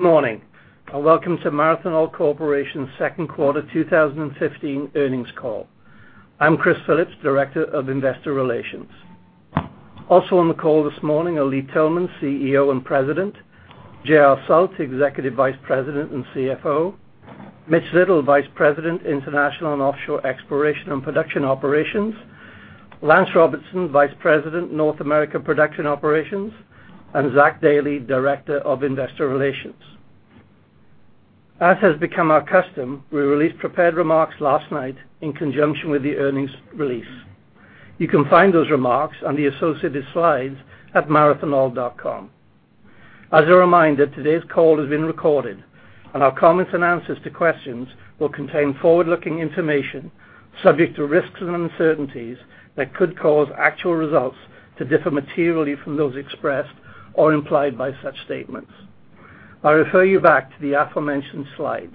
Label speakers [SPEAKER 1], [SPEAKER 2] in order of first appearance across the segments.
[SPEAKER 1] Morning, welcome to Marathon Oil Corporation's second quarter 2015 earnings call. I'm Chris Phillips, Director of Investor Relations. Also on the call this morning are Lee Tillman, Chief Executive Officer and President, J.R. Sult, Executive Vice President and Chief Financial Officer, Mitch Little, Vice President, International and Offshore Exploration and Production Operations, Lance Robertson, Vice President, North America Production Operations, and Zach Dailey, Director of Investor Relations. As has become our custom, we released prepared remarks last night in conjunction with the earnings release. You can find those remarks and the associated slides at marathonoil.com. As a reminder, today's call is being recorded, our comments and answers to questions will contain forward-looking information subject to risks and uncertainties that could cause actual results to differ materially from those expressed or implied by such statements. I refer you back to the aforementioned slides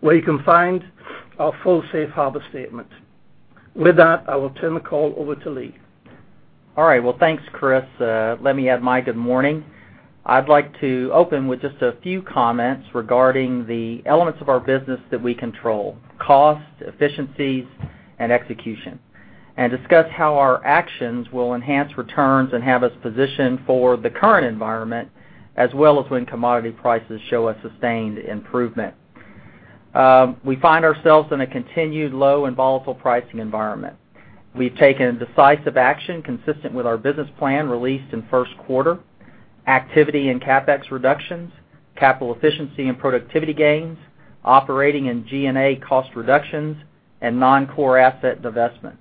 [SPEAKER 1] where you can find our full safe harbor statement. With that, I will turn the call over to Lee.
[SPEAKER 2] All right. Thanks, Chris. Let me add my good morning. I'd like to open with just a few comments regarding the elements of our business that we control, cost, efficiencies, and execution, discuss how our actions will enhance returns and have us positioned for the current environment, as well as when commodity prices show a sustained improvement. We find ourselves in a continued low and volatile pricing environment. We've taken decisive action consistent with our business plan released in first quarter, activity in CapEx reductions, capital efficiency and productivity gains, operating and G&A cost reductions, and non-core asset divestments.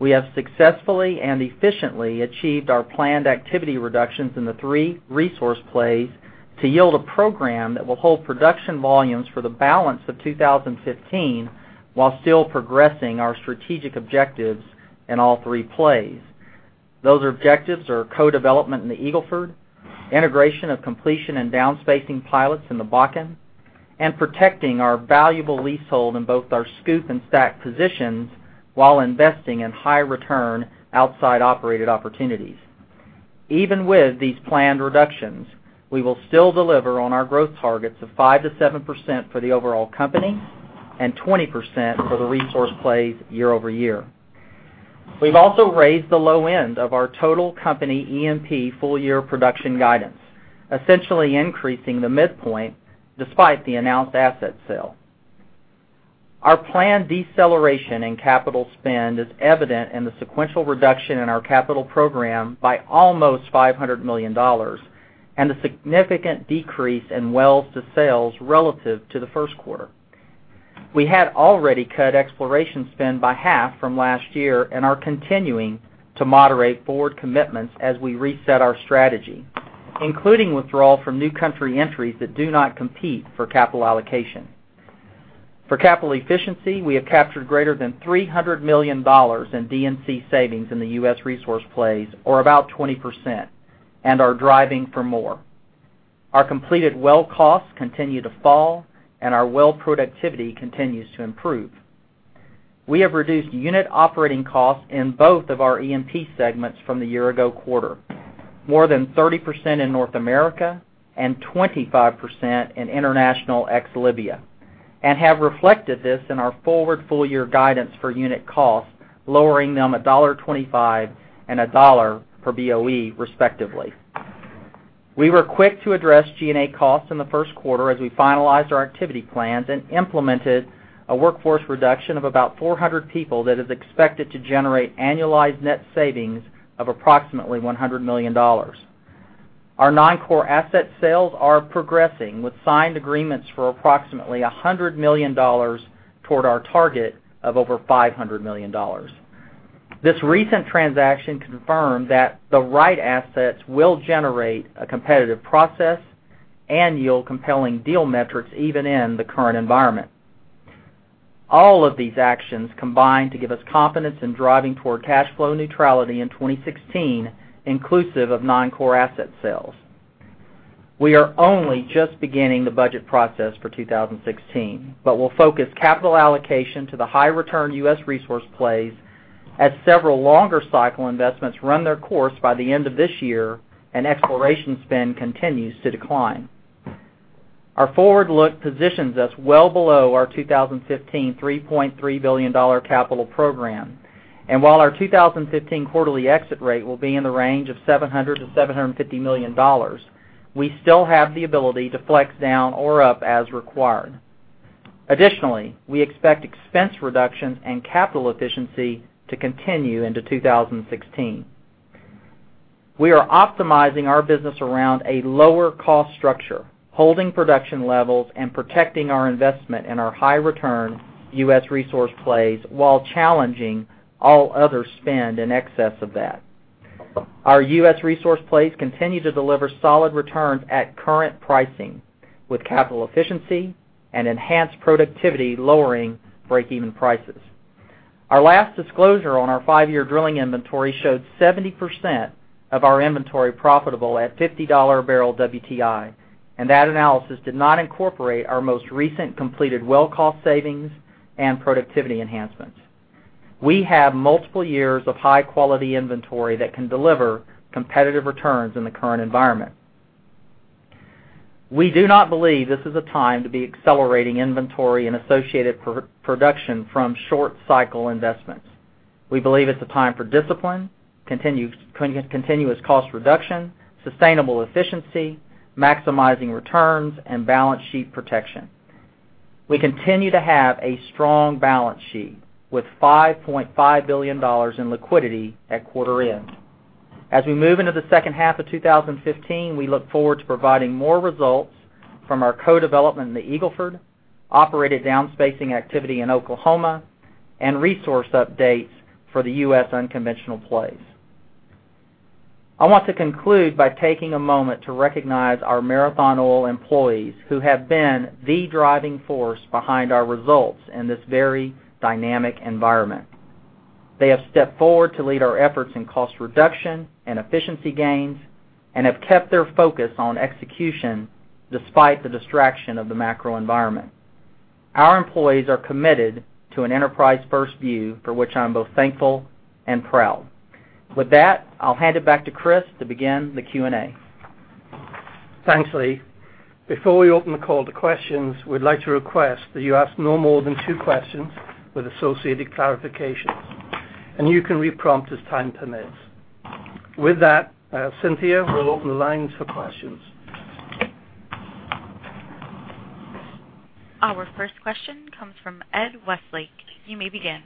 [SPEAKER 2] We have successfully and efficiently achieved our planned activity reductions in the three resource plays to yield a program that will hold production volumes for the balance of 2015, while still progressing our strategic objectives in all three plays. Those objectives are co-development in the Eagle Ford, integration of completion and down spacing pilots in the Bakken, protecting our valuable leasehold in both our SCOOP and STACK positions while investing in high return outside operated opportunities. Even with these planned reductions, we will still deliver on our growth targets of 5%-7% for the overall company and 20% for the resource plays year-over-year. We've also raised the low end of our total company E&P full year production guidance, essentially increasing the midpoint despite the announced asset sale. Our planned deceleration in capital spend is evident in the sequential reduction in our capital program by almost $500 million, the significant decrease in wells to sales relative to the first quarter. We had already cut exploration spend by half from last year and are continuing to moderate forward commitments as we reset our strategy, including withdrawal from new country entries that do not compete for capital allocation. For capital efficiency, we have captured greater than $300 million in D&C savings in the U.S. resource plays, or about 20%, and are driving for more. Our completed well costs continue to fall, and our well productivity continues to improve. We have reduced unit operating costs in both of our E&P segments from the year ago quarter, more than 30% in North America and 25% in international ex Libya, and have reflected this in our forward full year guidance for unit costs, lowering them $1.25 and $1 per BOE, respectively. We were quick to address G&A costs in the first quarter as we finalized our activity plans and implemented a workforce reduction of about 400 people that is expected to generate annualized net savings of approximately $100 million. Our non-core asset sales are progressing with signed agreements for approximately $100 million toward our target of over $500 million. This recent transaction confirmed that the right assets will generate a competitive process and yield compelling deal metrics even in the current environment. All of these actions combine to give us confidence in driving toward cash flow neutrality in 2016, inclusive of non-core asset sales. We are only just beginning the budget process for 2016. Will focus capital allocation to the high return U.S. resource plays as several longer cycle investments run their course by the end of this year and exploration spend continues to decline. Our forward look positions us well below our 2015 $3.3 billion capital program. While our 2015 quarterly exit rate will be in the range of $700 million-$750 million, we still have the ability to flex down or up as required. Additionally, we expect expense reductions and capital efficiency to continue into 2016. We are optimizing our business around a lower cost structure, holding production levels and protecting our investment and our high return U.S. resource plays while challenging all other spend in excess of that. Our U.S. resource plays continue to deliver solid returns at current pricing, with capital efficiency and enhanced productivity lowering break even prices. Our last disclosure on our five-year drilling inventory showed 70% of our inventory profitable at $50 a barrel WTI. That analysis did not incorporate our most recent completed well cost savings and productivity enhancements. We have multiple years of high-quality inventory that can deliver competitive returns in the current environment. We do not believe this is a time to be accelerating inventory and associated production from short-cycle investments. We believe it's a time for discipline, continuous cost reduction, sustainable efficiency, maximizing returns, and balance sheet protection. We continue to have a strong balance sheet with $5.5 billion in liquidity at quarter end. As we move into the second half of 2015, we look forward to providing more results from our co-development in the Eagle Ford, operated down-spacing activity in Oklahoma, and resource updates for the U.S. unconventional plays. I want to conclude by taking a moment to recognize our Marathon Oil employees, who have been the driving force behind our results in this very dynamic environment. They have stepped forward to lead our efforts in cost reduction and efficiency gains and have kept their focus on execution despite the distraction of the macro environment. Our employees are committed to an enterprise-first view, for which I'm both thankful and proud. With that, I'll hand it back to Chris to begin the Q&A.
[SPEAKER 1] Thanks, Lee. Before we open the call to questions, we'd like to request that you ask no more than two questions with associated clarifications, and you can re-prompt as time permits. With that, Cynthia, we'll open the lines for questions.
[SPEAKER 3] Our first question comes from Ed Westlake. You may begin.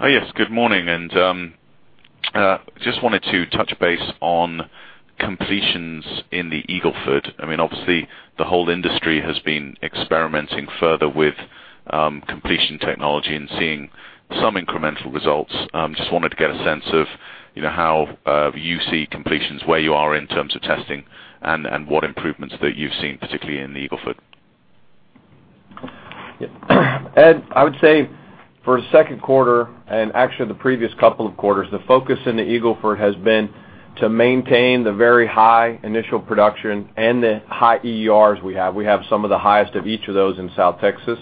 [SPEAKER 4] Yes, good morning. Just wanted to touch base on completions in the Eagle Ford. Obviously, the whole industry has been experimenting further with completion technology and seeing some incremental results. Just wanted to get a sense of how you see completions, where you are in terms of testing, and what improvements that you've seen, particularly in the Eagle Ford.
[SPEAKER 5] Ed, I would say for the second quarter, and actually the previous couple of quarters, the focus in the Eagle Ford has been to maintain the very high initial production and the high EURs we have. We have some of the highest of each of those in South Texas.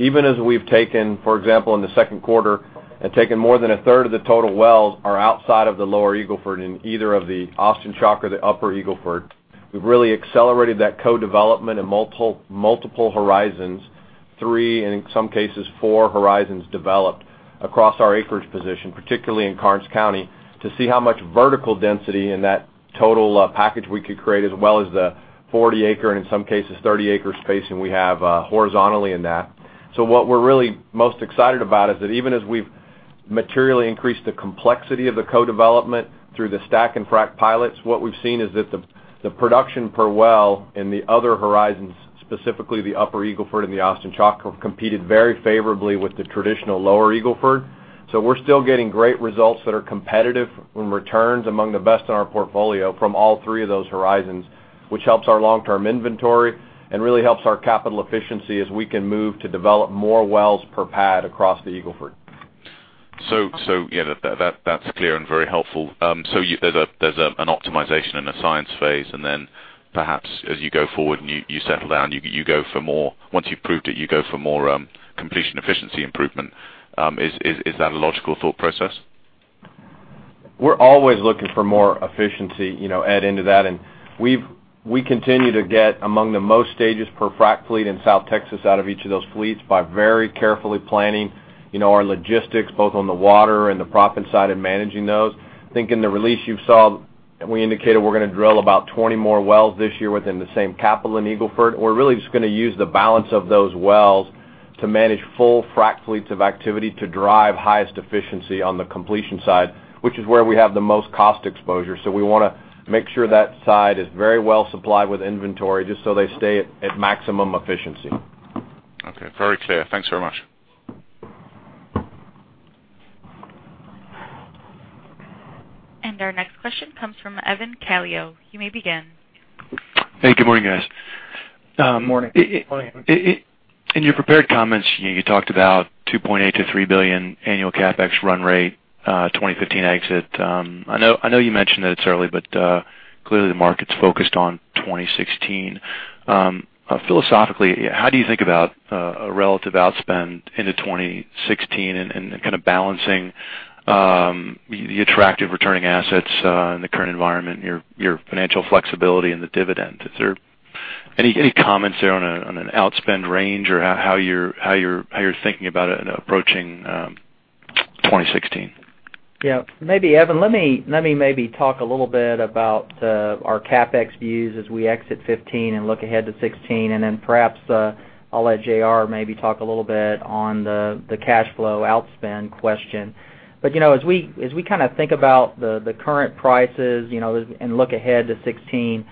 [SPEAKER 5] Even as we've taken, for example, in the second quarter, and taken more than a third of the total wells are outside of the lower Eagle Ford in either of the Austin Chalk or the upper Eagle Ford. We've really accelerated that co-development in multiple horizons, three, and in some cases, four horizons developed across our acreage position, particularly in Karnes County, to see how much vertical density in that total package we could create, as well as the 40 acre, and in some cases, 30 acre spacing we have horizontally in that. What we're really most excited about is that even as we've materially increased the complexity of the co-development through the stack and frack pilots, what we've seen is that the production per well in the other horizons, specifically the upper Eagle Ford and the Austin Chalk, have competed very favorably with the traditional lower Eagle Ford. We're still getting great results that are competitive on returns among the best in our portfolio from all three of those horizons, which helps our long-term inventory and really helps our capital efficiency as we can move to develop more wells per pad across the Eagle Ford.
[SPEAKER 4] Yeah, that's clear and very helpful. There's an optimization in the science phase, and then perhaps as you go forward and you settle down, once you've proved it, you go for more completion efficiency improvement. Is that a logical thought process?
[SPEAKER 5] We're always looking for more efficiency, Ed, into that, and we continue to get among the most stages per frack fleet in South Texas out of each of those fleets by very carefully planning our logistics, both on the water and the proppant side, and managing those. I think in the release you saw, we indicated we're going to drill about 20 more wells this year within the same capital in Eagle Ford. We're really just going to use the balance of those wells to manage full frack fleets of activity to drive highest efficiency on the completion side, which is where we have the most cost exposure. We want to make sure that side is very well supplied with inventory, just so they stay at maximum efficiency.
[SPEAKER 4] Okay. Very clear. Thanks very much.
[SPEAKER 3] Our next question comes from Evan Calio. You may begin.
[SPEAKER 6] Hey, good morning, guys.
[SPEAKER 5] Morning.
[SPEAKER 6] In your prepared comments, you talked about $2.8 billion-$3 billion annual CapEx run rate, 2015 exit. I know you mentioned that it's early, but clearly the market's focused on 2016. Philosophically, how do you think about a relative outspend into 2016 and balancing the attractive returning assets in the current environment, your financial flexibility and the dividend? Is there any comments there on an outspend range or how you're thinking about approaching 2016?
[SPEAKER 2] Yeah. Evan, let me maybe talk a little bit about our CapEx views as we exit 2015 and look ahead to 2016. Then perhaps I'll let J.R. maybe talk a little on the cash flow outspend question. As we think about the current prices and look ahead to 2016,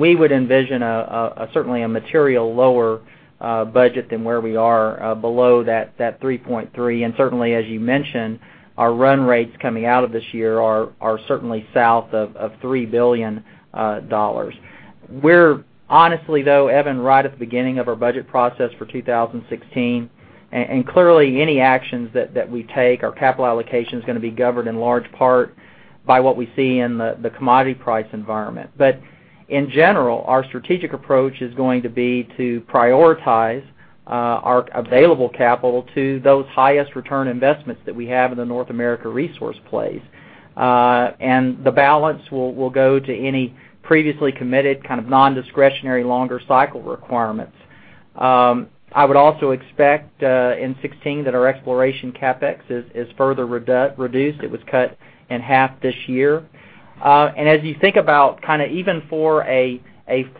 [SPEAKER 2] we would envision certainly a material lower budget than where we are below that $3.3 billion. Certainly, as you mentioned, our run rates coming out of this year are certainly south of $3 billion. We're honestly, though, Evan, right at the beginning of our budget process for 2016. Clearly, any actions that we take, our capital allocation is going to be governed in large part by what we see in the commodity price environment. In general, our strategic approach is going to be to prioritize our available capital to those highest return investments that we have in the North America resource plays. The balance will go to any previously committed kind of non-discretionary longer cycle requirements. I would also expect in 2016 that our exploration CapEx is further reduced. It was cut in half this year. As you think about even for a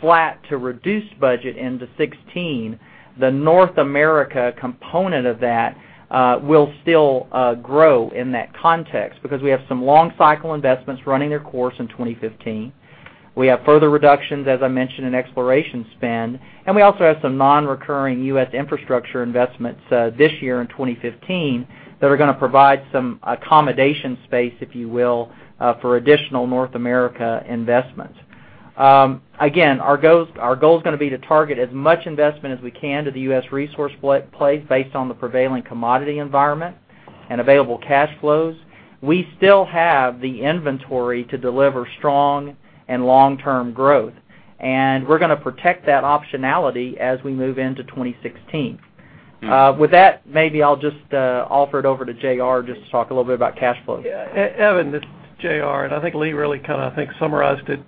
[SPEAKER 2] flat to reduced budget into 2016, the North America component of that will still grow in that context, because we have some long cycle investments running their course in 2015. We have further reductions, as I mentioned, in exploration spend, and we also have some non-recurring U.S. infrastructure investments this year in 2015, that are going to provide some accommodation space, if you will, for additional North America investments. Again, our goal's going to be to target as much investment as we can to the U.S. resource plays based on the prevailing commodity environment and available cash flows. We still have the inventory to deliver strong and long-term growth, and we're going to protect that optionality as we move into 2016. With that, maybe I'll just offer it over to J.R. just to talk a little bit about cash flow.
[SPEAKER 7] Yeah. Evan, it's J.R., and I think Lee really summarized it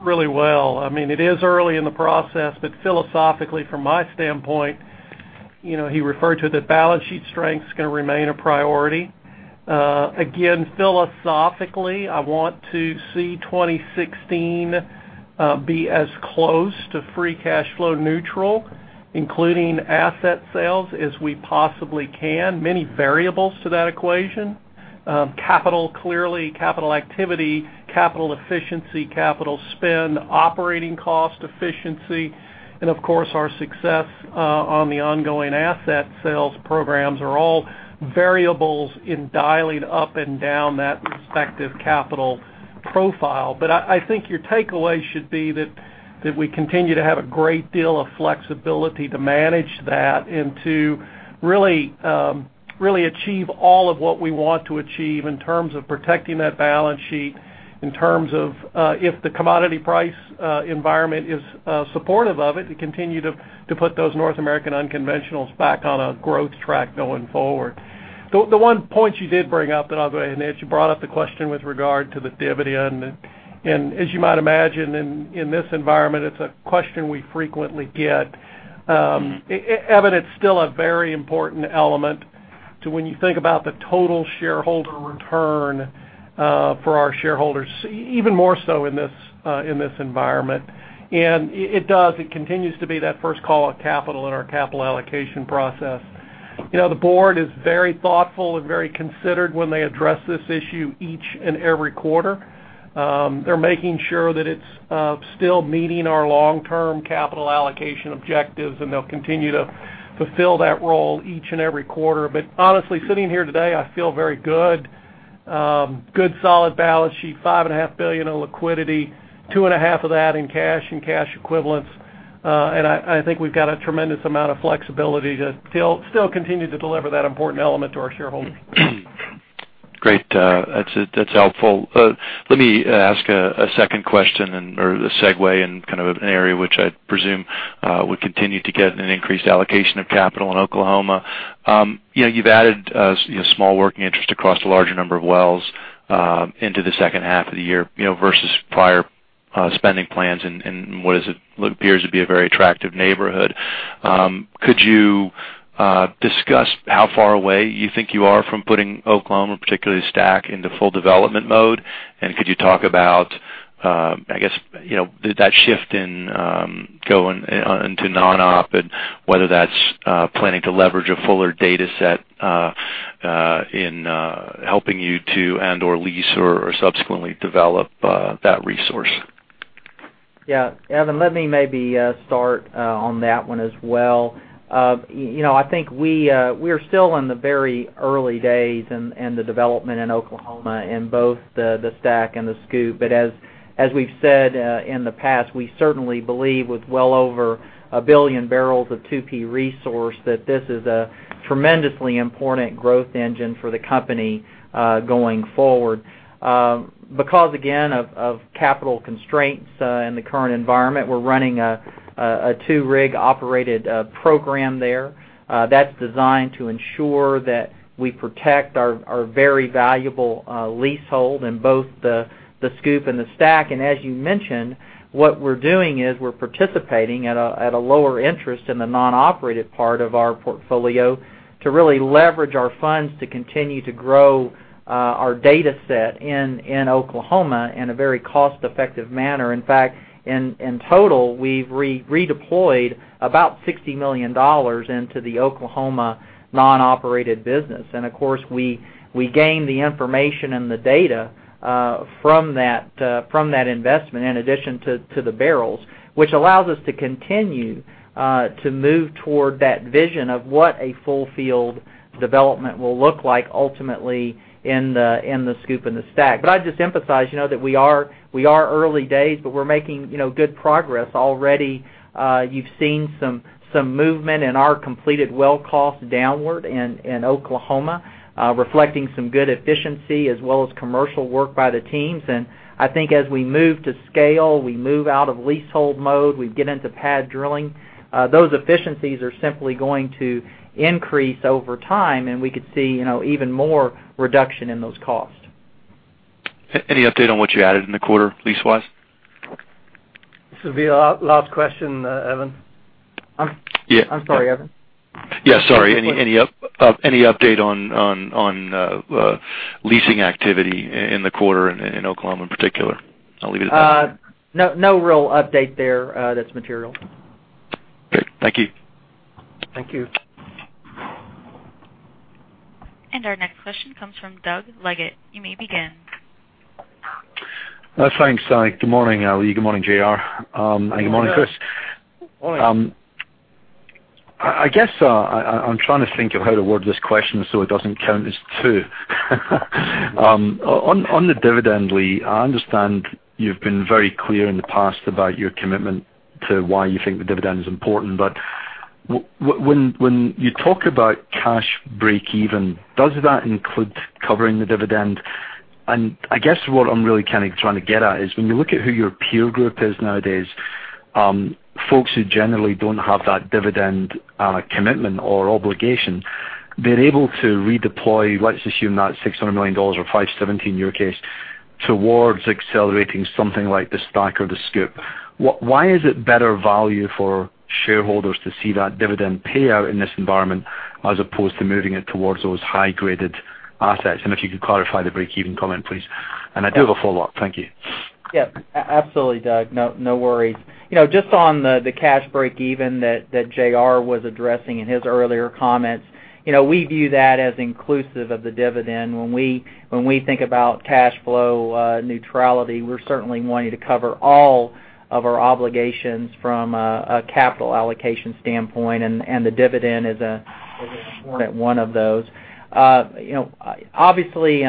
[SPEAKER 7] really well. It is early in the process, but philosophically, from my standpoint, he referred to the balance sheet strength's going to remain a priority. Again, philosophically, I want to see 2016 be as close to free cash flow neutral, including asset sales, as we possibly can. Many variables to that equation. Clearly, capital activity, capital efficiency, capital spend, operating cost efficiency, and of course, our success on the ongoing asset sales programs are all variables in dialing up and down that respective capital profile. I think your takeaway should be that we continue to have a great deal of flexibility to manage that and to really achieve all of what we want to achieve in terms of protecting that balance sheet, in terms of if the commodity price environment is supportive of it, to continue to put those North American unconventionals back on a growth track going forward. The one point you did bring up, I'll go ahead and answer, you brought up the question with regard to the dividend. As you might imagine, in this environment, it's a question we frequently get. Evan, it's still a very important element to when you think about the total shareholder return for our shareholders, even more so in this environment. It does, it continues to be that first call on capital in our capital allocation process. The board is very thoughtful and very considered when they address this issue each and every quarter. They're making sure that it's still meeting our long-term capital allocation objectives, they'll continue to fulfill that role each and every quarter. Honestly, sitting here today, I feel very good. Good solid balance sheet, $5.5 billion in liquidity, $2.5 billion of that in cash and cash equivalents. I think we've got a tremendous amount of flexibility to still continue to deliver that important element to our shareholders.
[SPEAKER 6] Great. That's helpful. Let me ask a second question or the segue in an area which I presume would continue to get an increased allocation of capital in Oklahoma. You've added small working interest across a larger number of wells into the second half of the year, versus prior spending plans in what appears to be a very attractive neighborhood. Could you discuss how far away you think you are from putting Oklahoma, particularly STACK, into full development mode? Could you talk about that shift in going into non-op and whether that's planning to leverage a fuller data set in helping you to and/or lease or subsequently develop that resource?
[SPEAKER 2] Yeah. Evan, let me maybe start on that one as well. I think we're still in the very early days in the development in Oklahoma in both the STACK and the SCOOP. As we've said in the past, we certainly believe with well over a billion barrels of 2P resource, that this is a tremendously important growth engine for the company going forward. Because of capital constraints in the current environment, we're running a two-rig operated program there. That's designed to ensure that we protect our very valuable leasehold in both the SCOOP and the STACK. As you mentioned, what we're doing is we're participating at a lower interest in the non-operated part of our portfolio to really leverage our funds to continue to grow our data set in Oklahoma in a very cost-effective manner. In fact, in total, we've redeployed about $60 million into the Oklahoma non-operated business. We gain the information and the data from that investment in addition to the barrels, which allows us to continue to move toward that vision of what a full field development will look like ultimately in the SCOOP and the STACK. I'd just emphasize that we are early days, but we're making good progress. Already you've seen some movement in our completed well cost downward in Oklahoma reflecting some good efficiency as well as commercial work by the teams. I think as we move to scale, we move out of leasehold mode, we get into pad drilling. Those efficiencies are simply going to increase over time, and we could see even more reduction in those costs.
[SPEAKER 6] Any update on what you added in the quarter lease-wise?
[SPEAKER 1] This will be our last question, Evan.
[SPEAKER 6] Yeah.
[SPEAKER 1] I'm sorry, Evan.
[SPEAKER 6] Yeah, sorry. Any update on leasing activity in the quarter in Oklahoma in particular? I'll leave it at that.
[SPEAKER 2] No real update there that's material.
[SPEAKER 6] Great. Thank you.
[SPEAKER 1] Thank you.
[SPEAKER 3] Our next question comes from Doug Leggate. You may begin.
[SPEAKER 8] Thanks. Good morning, Lee. Good morning, J.R.
[SPEAKER 2] Good morning, Doug.
[SPEAKER 8] Good morning, Chris.
[SPEAKER 1] Morning.
[SPEAKER 8] I guess I'm trying to think of how to word this question so it doesn't count as two. On the dividend, Lee, I understand you've been very clear in the past about your commitment to why you think the dividend is important, when you talk about cash breakeven, does that include covering the dividend? I guess what I'm really trying to get at is when you look at who your peer group is nowadays, folks who generally don't have that dividend commitment or obligation, they're able to redeploy, let's assume that $600 million or $517 in your case, towards accelerating something like the STACK or the SCOOP. Why is it better value for shareholders to see that dividend payout in this environment as opposed to moving it towards those high-graded assets? If you could clarify the breakeven comment, please. I do have a follow-up. Thank you.
[SPEAKER 2] Yeah. Absolutely, Doug. No worries. Just on the cash breakeven that J.R. was addressing in his earlier comments. We view that as inclusive of the dividend. When we think about cash flow neutrality, we're certainly wanting to cover all of our obligations from a capital allocation standpoint, the dividend is an important one of those. Obviously,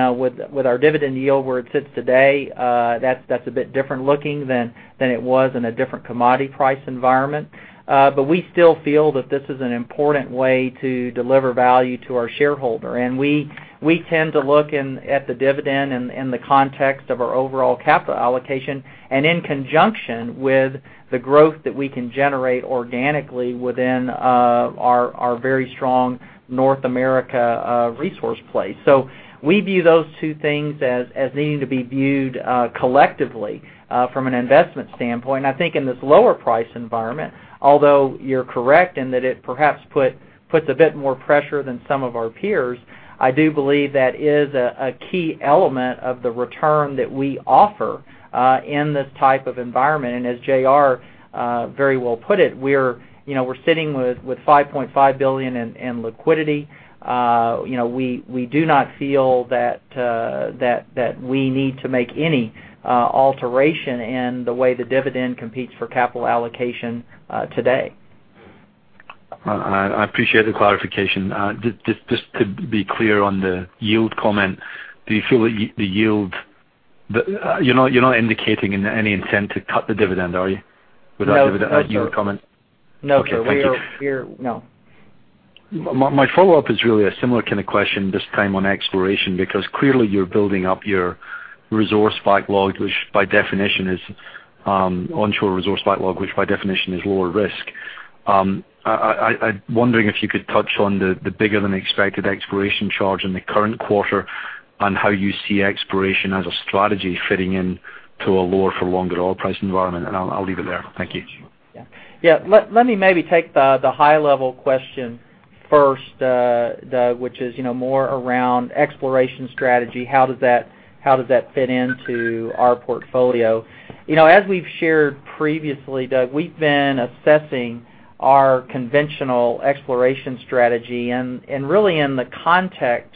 [SPEAKER 2] with our dividend yield where it sits today, that's a bit different looking than it was in a different commodity price environment. We still feel that this is an important way to deliver value to our shareholder. We tend to look at the dividend in the context of our overall capital allocation and in conjunction with the growth that we can generate organically within our very strong North America resource place. We view those two things as needing to be viewed collectively from an investment standpoint. I think in this lower price environment, although you're correct in that it perhaps puts a bit more pressure than some of our peers, I do believe that is a key element of the return that we offer in this type of environment. As J.R. very well put it, we're sitting with $5.5 billion in liquidity. We do not feel that we need to make any alteration in the way the dividend competes for capital allocation today.
[SPEAKER 8] I appreciate the clarification. Just to be clear on the yield comment, you're not indicating any intent to cut the dividend, are you? With that dividend yield comment.
[SPEAKER 2] No, sir.
[SPEAKER 8] Okay. Thank you.
[SPEAKER 2] No.
[SPEAKER 8] My follow-up is really a similar kind of question, this time on exploration, because clearly you're building up your resource backlog, which by definition is onshore resource backlog, which by definition is lower risk. I'm wondering if you could touch on the bigger than expected exploration charge in the current quarter, and how you see exploration as a strategy fitting into a lower for longer oil price environment, and I'll leave it there. Thank you.
[SPEAKER 2] Yeah. Let me maybe take the high level question first, Doug, which is more around exploration strategy. How does that fit into our portfolio? As we've shared previously, Doug, we've been assessing our conventional exploration strategy, really in the context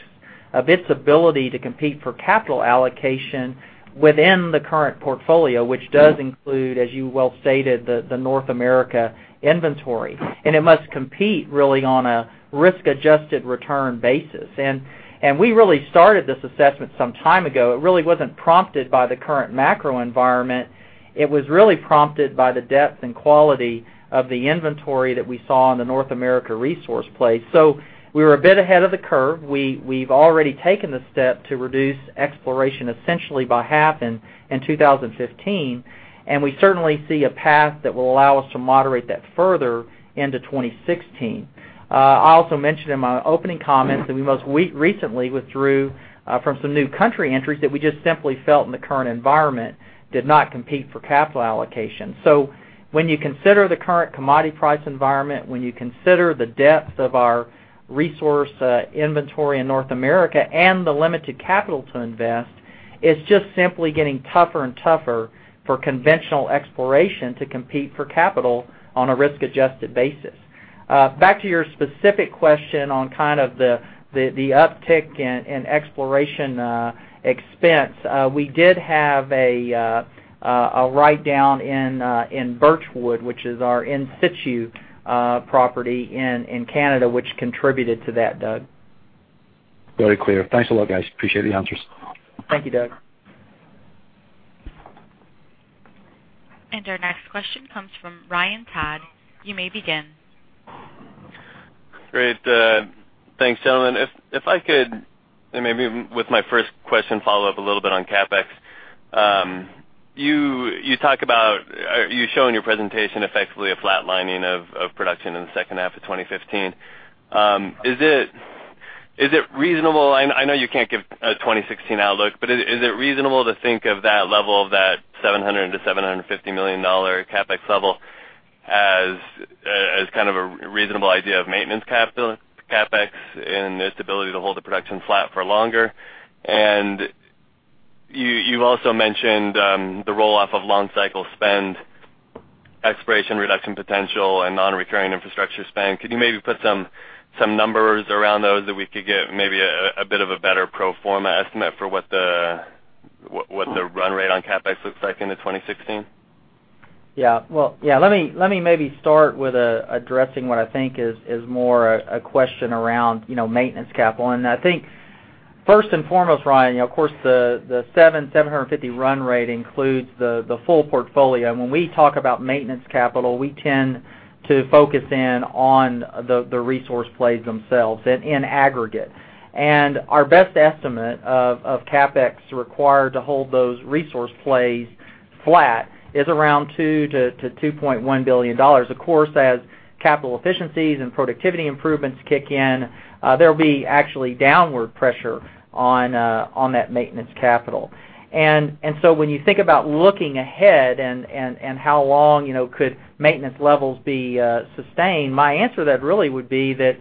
[SPEAKER 2] of its ability to compete for capital allocation within the current portfolio, which does include, as you well stated, the North America inventory. It must compete really on a risk-adjusted return basis. We really started this assessment some time ago. It really wasn't prompted by the current macro environment. It was really prompted by the depth and quality of the inventory that we saw in the North America resource place. We were a bit ahead of the curve. We've already taken the step to reduce exploration essentially by half in 2015, we certainly see a path that will allow us to moderate that further into 2016. I also mentioned in my opening comments that we most recently withdrew from some new country entries that we just simply felt in the current environment did not compete for capital allocation. When you consider the current commodity price environment, when you consider the depth of our resource inventory in North America and the limited capital to invest, it's just simply getting tougher and tougher for conventional exploration to compete for capital on a risk-adjusted basis. Back to your specific question on the uptick in exploration expense. We did have a write-down in Birchwood, which is our in situ property in Canada, which contributed to that, Doug.
[SPEAKER 8] Very clear. Thanks a lot, guys. Appreciate the answers.
[SPEAKER 2] Thank you, Doug.
[SPEAKER 3] Our next question comes from Ryan Todd. You may begin.
[SPEAKER 9] Great. Thanks, gentlemen. If I could, and maybe with my first question, follow up a little bit on CapEx. You show in your presentation effectively a flat lining of production in the second half of 2015. I know you can't give a 2016 outlook, but is it reasonable to think of that level, that $700 million-$750 million CapEx level, as a reasonable idea of maintenance CapEx and the stability to hold the production flat for longer? You've also mentioned the roll-off of long cycle spend, exploration reduction potential, and non-recurring infrastructure spend. Could you maybe put some numbers around those that we could get maybe a bit of a better pro forma estimate for what the run rate on CapEx looks like into 2016?
[SPEAKER 2] Yeah. Let me maybe start with addressing what I think is more a question around maintenance capital. I think first and foremost, Ryan, of course, the $700, $750 run rate includes the full portfolio. When we talk about maintenance capital, we tend to focus in on the resource plays themselves and in aggregate. Our best estimate of CapEx required to hold those resource plays flat is around $2 billion-$2.1 billion. Of course, as capital efficiencies and productivity improvements kick in, there'll be actually downward pressure on that maintenance capital. So when you think about looking ahead and how long could maintenance levels be sustained, my answer to that really would be that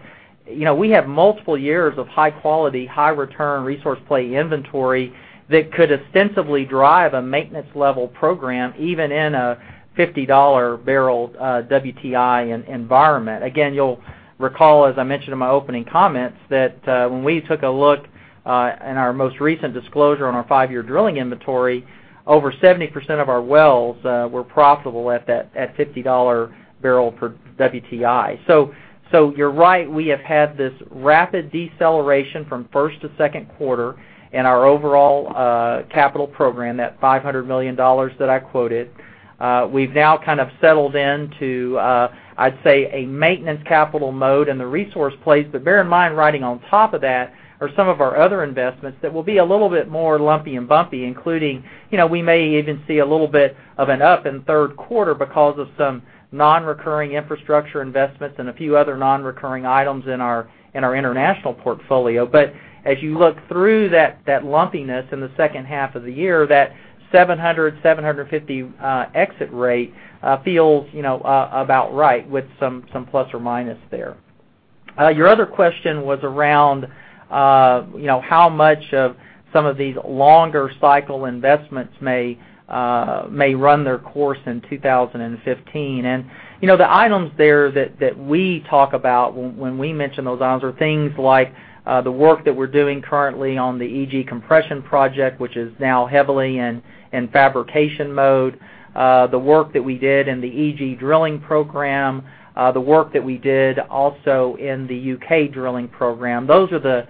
[SPEAKER 2] we have multiple years of high quality, high return resource play inventory that could ostensibly drive a maintenance level program, even in a $50 barrel WTI environment. You'll recall, as I mentioned in my opening comments, that when we took a look in our most recent disclosure on our five-year drilling inventory, over 70% of our wells were profitable at $50 barrel per WTI. You're right. We have had this rapid deceleration from first to second quarter in our overall capital program, that $500 million that I quoted. We've now settled into, I'd say, a maintenance capital mode in the resource plays. Bear in mind, riding on top of that are some of our other investments that will be a little bit more lumpy and bumpy, including we may even see a little bit of an up in third quarter because of some non-recurring infrastructure investments and a few other non-recurring items in our international portfolio. As you look through that lumpiness in the second half of the year, that $700-$750 exit rate feels about right with some plus or minus there. Your other question was around how much of some of these longer cycle investments may run their course in 2015. The items there that we talk about when we mention those items are things like the work that we're doing currently on the EG compression project, which is now heavily in fabrication mode, the work that we did in the EG drilling program, the work that we did also in the U.K. drilling program. Those are the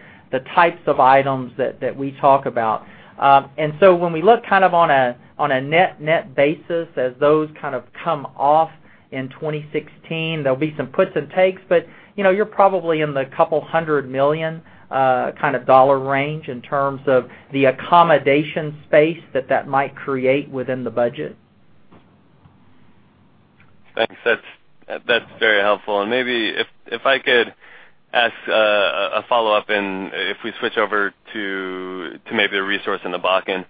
[SPEAKER 2] types of items that we talk about. When we look on a net basis as those come off in 2016, there'll be some puts and takes, but you're probably in the couple hundred million dollar range in terms of the accommodation space that that might create within the budget.
[SPEAKER 9] Thanks. That's very helpful. Maybe if I could ask a follow-up and if we switch over to maybe the resource in the Bakken.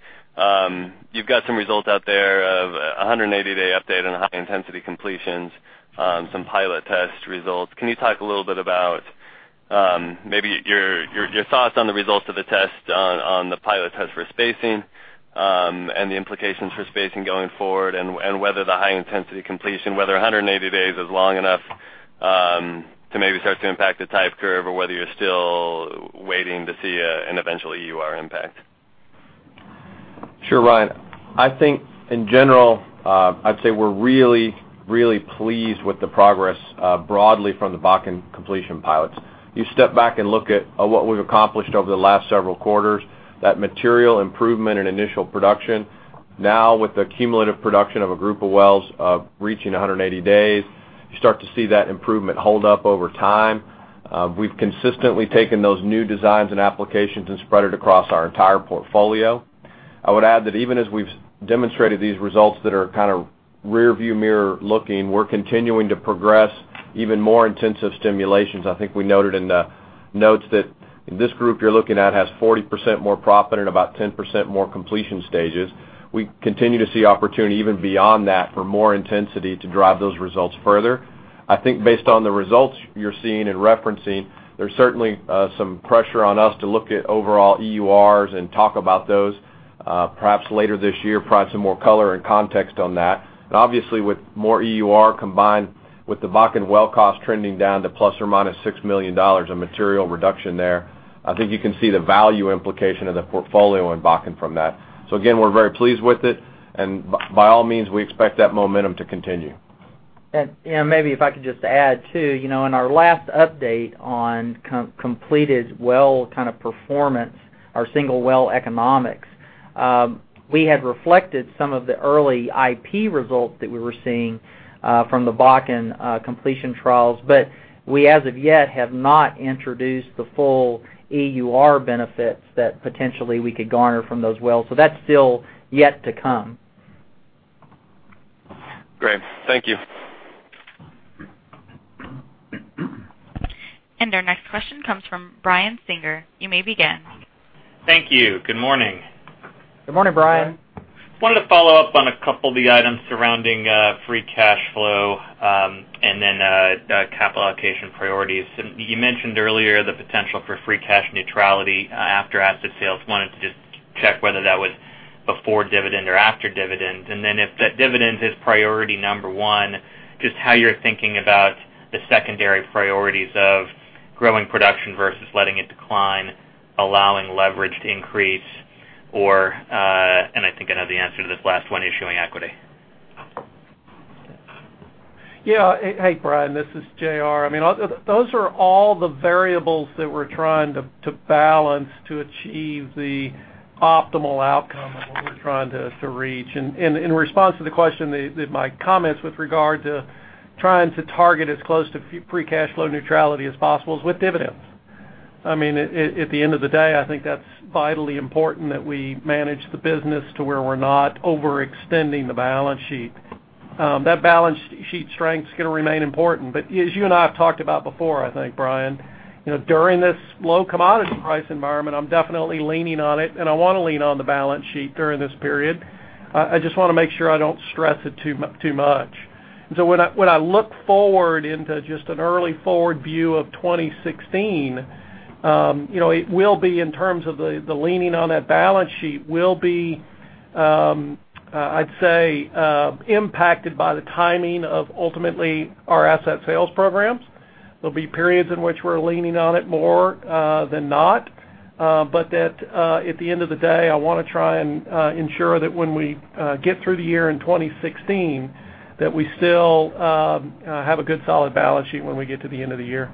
[SPEAKER 9] You've got some results out there of a 180-day update on the high intensity completions, some pilot test results. Can you talk a little bit about maybe your thoughts on the results of the test on the pilot test for spacing, and the implications for spacing going forward, and whether the high intensity completion, whether 180 days is long enough to maybe start to impact the type curve, or whether you're still waiting to see an eventual EUR impact?
[SPEAKER 5] Sure, Ryan. I think in general, I'd say we're really, really pleased with the progress broadly from the Bakken completion pilots. You step back and look at what we've accomplished over the last several quarters, that material improvement in initial production. Now with the cumulative production of a group of wells reaching 180 days, you start to see that improvement hold up over time. We've consistently taken those new designs and applications and spread it across our entire portfolio. I would add that even as we've demonstrated these results that are rearview mirror looking, we're continuing to progress even more intensive stimulations. I think we noted in the notes that this group you're looking at has 40% more proppant and about 10% more completion stages. We continue to see opportunity even beyond that for more intensity to drive those results further. I think based on the results you're seeing and referencing, there's certainly some pressure on us to look at overall EURs and talk about those perhaps later this year, provide some more color and context on that. Obviously with more EUR combined with the Bakken well cost trending down to ±$6 million, a material reduction there, I think you can see the value implication of the portfolio in Bakken from that. Again, we're very pleased with it, by all means, we expect that momentum to continue.
[SPEAKER 2] Maybe if I could just add, too. In our last update on completed well performance, our single well economics, we had reflected some of the early IP results that we were seeing from the Bakken completion trials, we as of yet have not introduced the full EUR benefits that potentially we could garner from those wells. That's still yet to come.
[SPEAKER 9] Great. Thank you.
[SPEAKER 3] Our next question comes from Brian Singer. You may begin.
[SPEAKER 10] Thank you. Good morning.
[SPEAKER 7] Good morning, Brian.
[SPEAKER 10] I wanted to follow up on a couple of the items surrounding free cash flow, capital allocation priorities. You mentioned earlier the potential for free cash neutrality after asset sales. I wanted to just check whether that was before dividend or after dividend. Then if that dividend is priority number one, just how you're thinking about the secondary priorities of growing production versus letting it decline, allowing leverage to increase or, and I think I know the answer to this last one, issuing equity.
[SPEAKER 7] Yeah. Hey, Brian, this is J.R. Those are all the variables that we're trying to balance to achieve the optimal outcome of what we're trying to reach. In response to the question, my comments with regard to trying to target as close to free cash flow neutrality as possible is with dividends. At the end of the day, I think that's vitally important that we manage the business to where we're not overextending the balance sheet. That balance sheet strength's going to remain important. As you and I have talked about before, I think, Brian, during this low commodity price environment, I'm definitely leaning on it, and I want to lean on the balance sheet during this period. I just want to make sure I don't stress it too much. When I look forward into just an early forward view of 2016, it will be in terms of the leaning on that balance sheet will be, I'd say, impacted by the timing of ultimately our asset sales programs. There'll be periods in which we're leaning on it more, than not. At the end of the day, I want to try and ensure that when we get through the year in 2016, that we still have a good solid balance sheet when we get to the end of the year.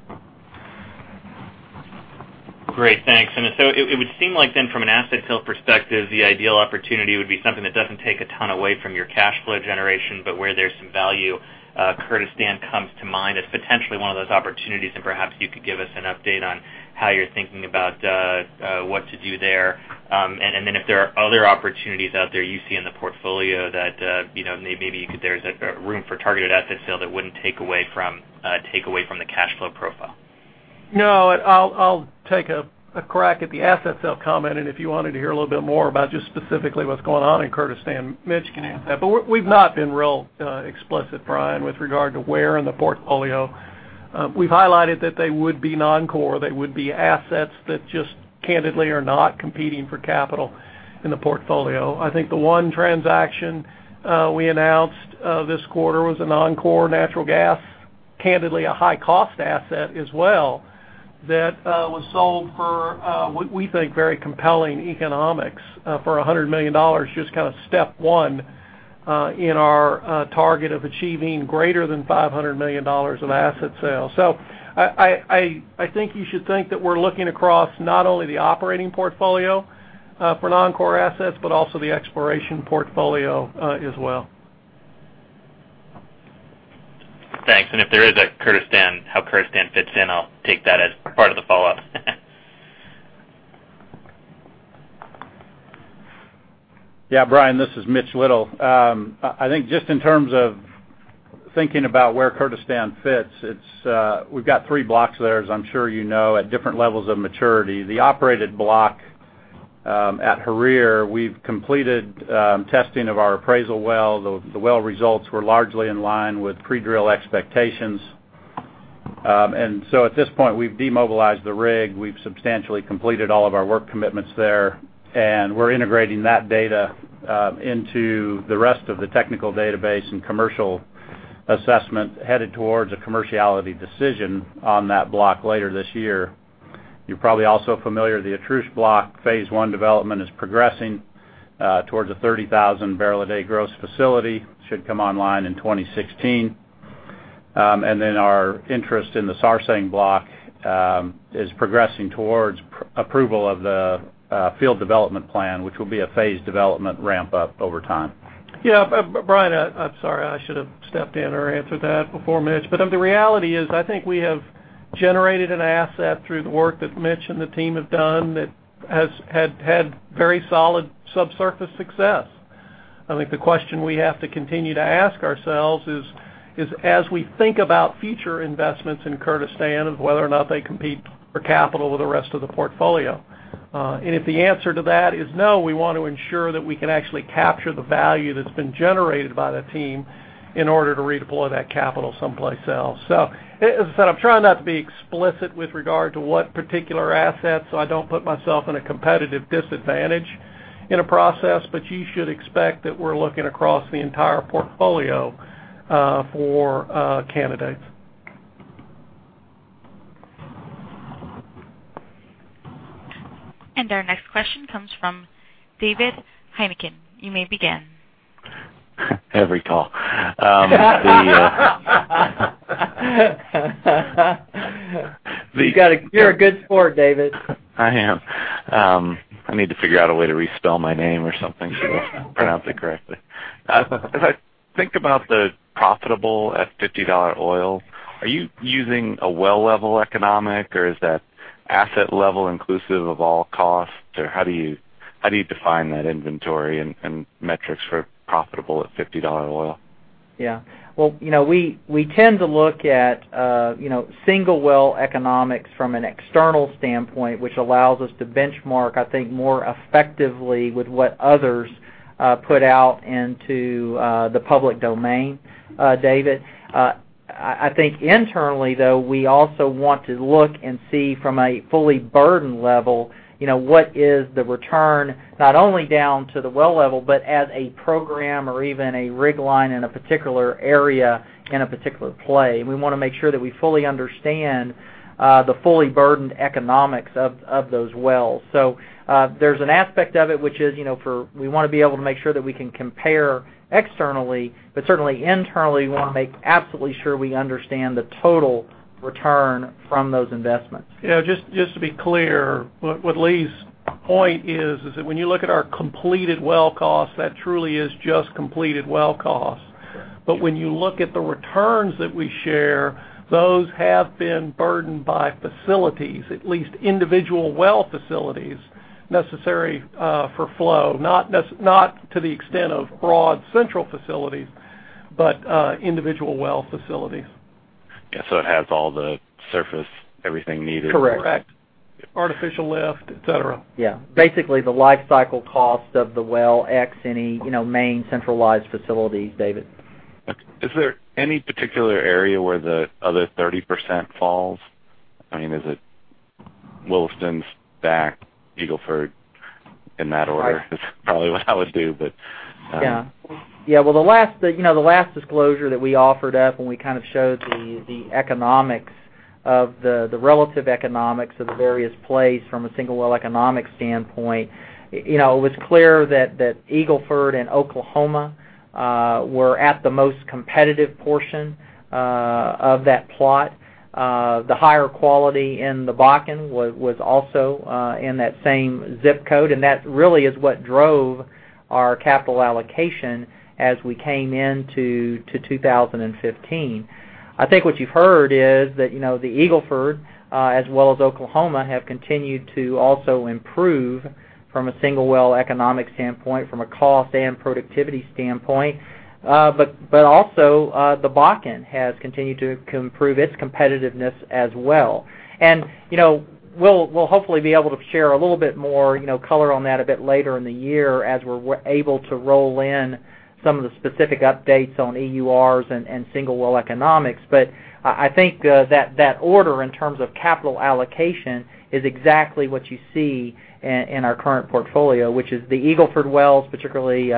[SPEAKER 10] Great. Thanks. It would seem like then from an asset sale perspective, the ideal opportunity would be something that doesn't take a ton away from your cash flow generation, but where there's some value. Kurdistan comes to mind as potentially one of those opportunities, perhaps you could give us an update on how you're thinking about what to do there. If there are other opportunities out there you see in the portfolio that maybe there's room for targeted asset sale that wouldn't take away from the cash flow profile.
[SPEAKER 7] No, I'll take a crack at the asset sale comment. If you wanted to hear a little bit more about just specifically what's going on in Kurdistan, Mitch can answer that. We've not been real explicit, Brian, with regard to where in the portfolio. We've highlighted that they would be non-core, they would be assets that just candidly are not competing for capital in the portfolio. I think the one transaction we announced this quarter was a non-core natural gas, candidly a high-cost asset as well, that was sold for what we think very compelling economics for $100 million, just step one in our target of achieving greater than $500 million of asset sales. I think you should think that we're looking across not only the operating portfolio for non-core assets, but also the exploration portfolio as well.
[SPEAKER 10] Thanks. If there is how Kurdistan fits in, I'll take that as part of the follow-up.
[SPEAKER 11] Yeah, Brian, this is Mitch Little. I think just in terms of thinking about where Kurdistan fits, we've got three blocks there, as I'm sure you know, at different levels of maturity. The operated block at Harir, we've completed testing of our appraisal well. The well results were largely in line with pre-drill expectations. At this point, we've demobilized the rig, we've substantially completed all of our work commitments there, and we're integrating that data into the rest of the technical database and commercial assessment headed towards a commerciality decision on that block later this year. You're probably also familiar, the Atrush block phase 1 development is progressing towards a 30,000 barrel a day gross facility. Should come online in 2016. Our interest in the Sarsang block is progressing towards approval of the field development plan, which will be a phased development ramp up over time.
[SPEAKER 7] Yeah, Brian, I'm sorry, I should have stepped in or answered that before Mitch. The reality is, I think we have generated an asset through the work that Mitch and the team have done that had very solid subsurface success. I think the question we have to continue to ask ourselves is, as we think about future investments in Kurdistan of whether or not they compete for capital with the rest of the portfolio. If the answer to that is no, we want to ensure that we can actually capture the value that's been generated by the team in order to redeploy that capital someplace else. As I said, I'm trying not to be explicit with regard to what particular assets, so I don't put myself in a competitive disadvantage in a process. You should expect that we're looking across the entire portfolio for candidates.
[SPEAKER 3] Our next question comes from David Deckelbaum. You may begin.
[SPEAKER 12] Every call.
[SPEAKER 7] You're a good sport, David.
[SPEAKER 12] I am. I need to figure out a way to respell my name or something so you pronounce it correctly. As I think about the profitable at $50 oil, are you using a well level economic or is that asset level inclusive of all costs? How do you define that inventory and metrics for profitable at $50 oil?
[SPEAKER 2] Yeah. Well, we tend to look at single well economics from an external standpoint, which allows us to benchmark, I think, more effectively with what others put out into the public domain, David. I think internally, though, we also want to look and see from a fully burdened level, what is the return, not only down to the well level, but at a program or even a rig line in a particular area in a particular play. We want to make sure that we fully understand the fully burdened economics of those wells. There's an aspect of it, which is, we want to be able to make sure that we can compare externally, but certainly internally, we want to make absolutely sure we understand the total return from those investments.
[SPEAKER 7] just to be clear, what Lee's point is that when you look at our completed well costs, that truly is just completed well costs. When you look at the returns that we share, those have been burdened by facilities, at least individual well facilities necessary for flow, not to the extent of broad central facilities, but individual well facilities.
[SPEAKER 12] It has all the surface, everything needed.
[SPEAKER 7] Correct.
[SPEAKER 2] Correct.
[SPEAKER 7] Artificial lift, et cetera.
[SPEAKER 2] Basically, the life cycle cost of the well, X any main centralized facilities, David.
[SPEAKER 12] Okay. Is there any particular area where the other 30% falls? Is it Williston, STACK, Eagle Ford, in that order? That's probably what I would do.
[SPEAKER 2] Yeah. Well, the last disclosure that we offered up when we showed the relative economics of the various plays from a single well economic standpoint, it was clear that Eagle Ford and Oklahoma were at the most competitive portion of that plot. The higher quality in the Bakken was also in that same zip code, that really is what drove our capital allocation as we came into 2015. I think what you've heard is that the Eagle Ford, as well as Oklahoma, have continued to also improve from a single well economic standpoint, from a cost and productivity standpoint. Also, the Bakken has continued to improve its competitiveness as well. We'll hopefully be able to share a little bit more color on that a bit later in the year as we're able to roll in some of the specific updates on EURs and single well economics. I think that order in terms of capital allocation is exactly what you see in our current portfolio, which is the Eagle Ford wells, particularly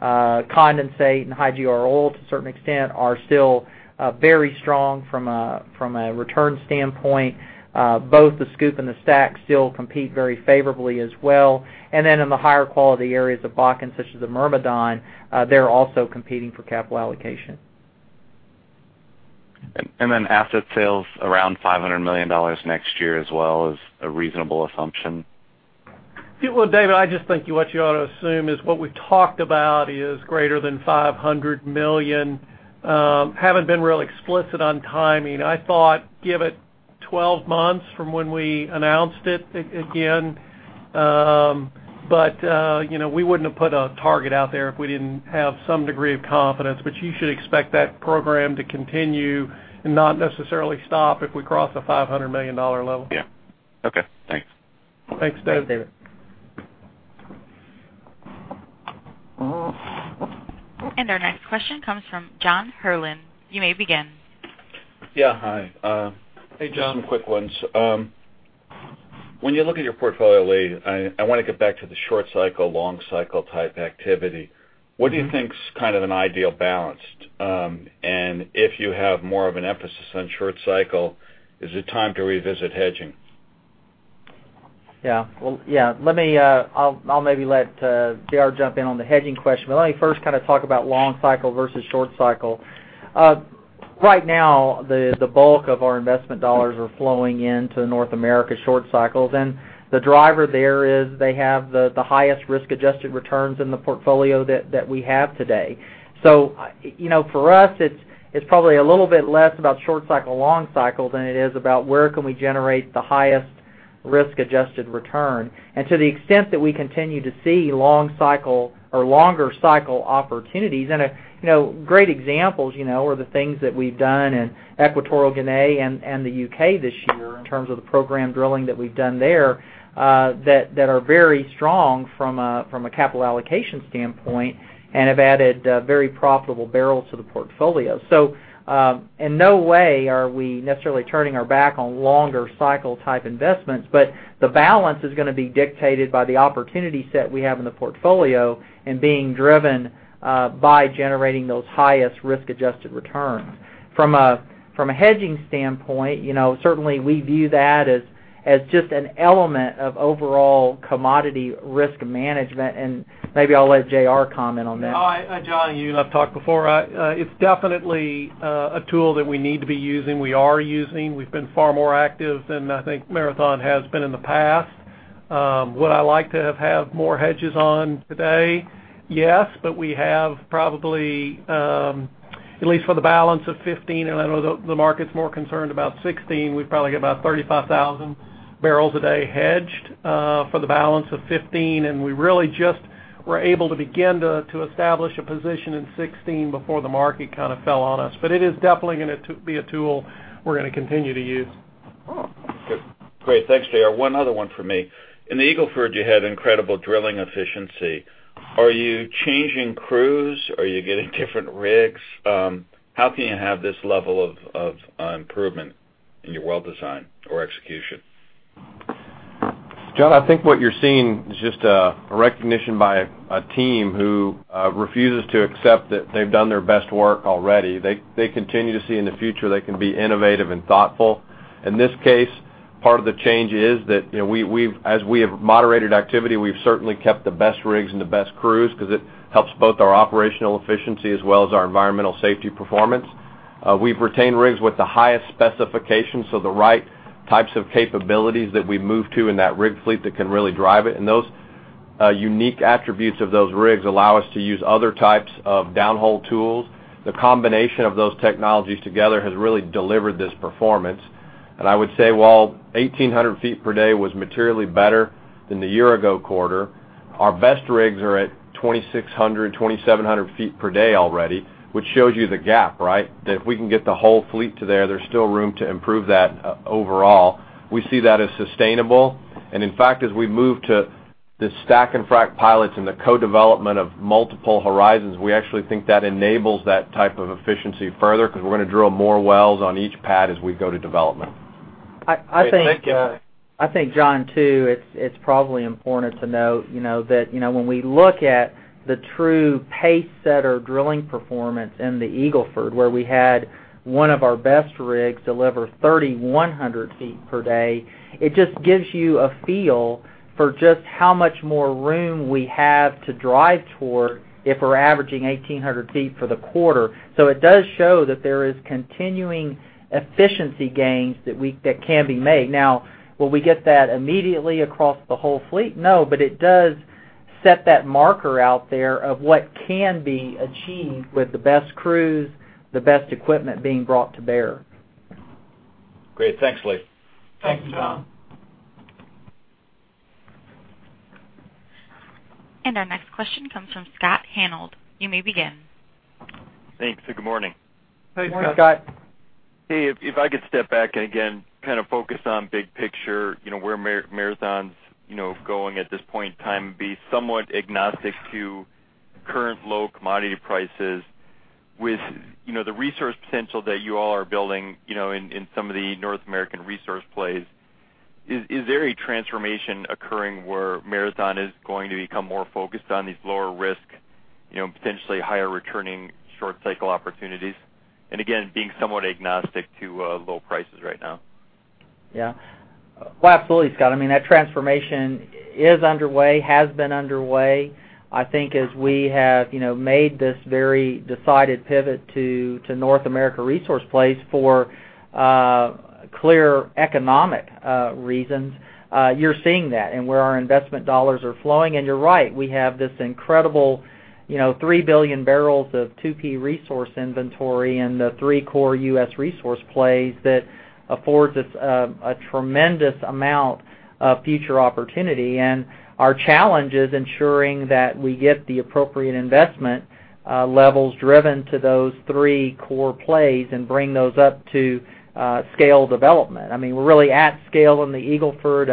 [SPEAKER 2] condensate and high GOR oil to a certain extent, are still very strong from a return standpoint. Both the SCOOP and the STACK still compete very favorably as well, then in the higher quality areas of Bakken such as the Myrmidon, they're also competing for capital allocation.
[SPEAKER 12] Then asset sales around $500 million next year as well is a reasonable assumption?
[SPEAKER 7] David, I just think what you ought to assume is what we've talked about is greater than $500 million. Haven't been real explicit on timing. I thought give it 12 months from when we announced it again. We wouldn't have put a target out there if we didn't have some degree of confidence. You should expect that program to continue and not necessarily stop if we cross a $500 million level.
[SPEAKER 12] Yeah. Okay. Thanks.
[SPEAKER 7] Thanks, David.
[SPEAKER 2] Thanks, David.
[SPEAKER 3] Our next question comes from John Herrlin. You may begin.
[SPEAKER 13] Yeah. Hi.
[SPEAKER 7] Hey, John.
[SPEAKER 13] Just some quick ones. When you look at your portfolio, Lee, I want to get back to the short cycle, long cycle type activity. What do you think's kind of an ideal balance? If you have more of an emphasis on short cycle, is it time to revisit hedging?
[SPEAKER 2] Well, I'll maybe let J.R. jump in on the hedging question, but let me first talk about long cycle versus short cycle. Right now, the bulk of our investment dollars are flowing into North America short cycles, and the driver there is they have the highest risk-adjusted returns in the portfolio that we have today. For us, it's probably a little bit less about short cycle, long cycle than it is about where can we generate the highest risk-adjusted return. To the extent that we continue to see long cycle or longer cycle opportunities and great examples are the things that we've done in Equatorial Guinea and the U.K. this year in terms of the program drilling that we've done there, that are very strong from a capital allocation standpoint and have added very profitable barrels to the portfolio. In no way are we necessarily turning our back on longer cycle type investments, but the balance is going to be dictated by the opportunity set we have in the portfolio and being driven by generating those highest risk-adjusted returns. From a hedging standpoint, certainly we view that as just an element of overall commodity risk management, and maybe I'll let J.R. comment on that.
[SPEAKER 7] Hi, John. You and I have talked before. It's definitely a tool that we need to be using, we are using. We've been far more active than I think Marathon has been in the past. Would I like to have had more hedges on today? Yes, but we have probably at least for the balance of 2015, I know the market's more concerned about 2016, we've probably got about 35,000 barrels a day hedged for the balance of 2015, we really just were able to begin to establish a position in 2016 before the market kind of fell on us. It is definitely going to be a tool we're going to continue to use.
[SPEAKER 5] Oh, good.
[SPEAKER 13] Great. Thanks, J.R. One other one from me. In the Eagle Ford, you had incredible drilling efficiency. Are you changing crews? Are you getting different rigs? How can you have this level of improvement in your well design or execution?
[SPEAKER 5] John, I think what you're seeing is just a recognition by a team who refuses to accept that they've done their best work already. They continue to see in the future they can be innovative and thoughtful. In this case, part of the change is that as we have moderated activity, we've certainly kept the best rigs and the best crews because it helps both our operational efficiency as well as our environmental safety performance. We've retained rigs with the highest specifications, so the right types of capabilities that we move to in that rig fleet that can really drive it. Those unique attributes of those rigs allow us to use other types of downhole tools. The combination of those technologies together has really delivered this performance. I would say, while 1,800 feet per day was materially better than the year-ago quarter, our best rigs are at 2,600, 2,700 feet per day already, which shows you the gap, right? That if we can get the whole fleet to there's still room to improve that overall. We see that as sustainable. In fact, as we move to the stack-and-frack pilots and the co-development of multiple horizons, we actually think that enables that type of efficiency further because we're going to drill more wells on each pad as we go to development.
[SPEAKER 13] Okay. Thank you.
[SPEAKER 2] I think, John, too, it's probably important to note that when we look at the true pacesetter drilling performance in the Eagle Ford, where we had one of our best rigs deliver 3,100 feet per day, it just gives you a feel for just how much more room we have to drive toward if we're averaging 1,800 feet for the quarter. It does show that there is continuing efficiency gains that can be made. Now, will we get that immediately across the whole fleet? No, but it does set that marker out there of what can be achieved with the best crews, the best equipment being brought to bear.
[SPEAKER 13] Great. Thanks, Lee.
[SPEAKER 2] Thank you, John.
[SPEAKER 3] Our next question comes from Scott Hanold. You may begin.
[SPEAKER 14] Thanks, and good morning.
[SPEAKER 2] Hey, Scott.
[SPEAKER 7] Good morning, Scott.
[SPEAKER 14] Hey, if I could step back and again, kind of focus on big picture, where Marathon's going at this point in time, and be somewhat agnostic to current low commodity prices. With the resource potential that you all are building in some of the North American resource plays, is there a transformation occurring where Marathon is going to become more focused on these lower risk, potentially higher returning short cycle opportunities? Again, being somewhat agnostic to low prices right now.
[SPEAKER 2] Yeah. Well, absolutely, Scott. I mean, that transformation is underway, has been underway. I think as we have made this very decided pivot to North America resource plays for clear economic reasons, you're seeing that and where our investment dollars are flowing. You're right, we have this incredible 3 billion barrels of 2P resource inventory and the three core U.S. resource plays that affords us a tremendous amount of future opportunity. Our challenge is ensuring that we get the appropriate investment levels driven to those three core plays and bring those up to scale development. We're really at scale in the Eagle Ford.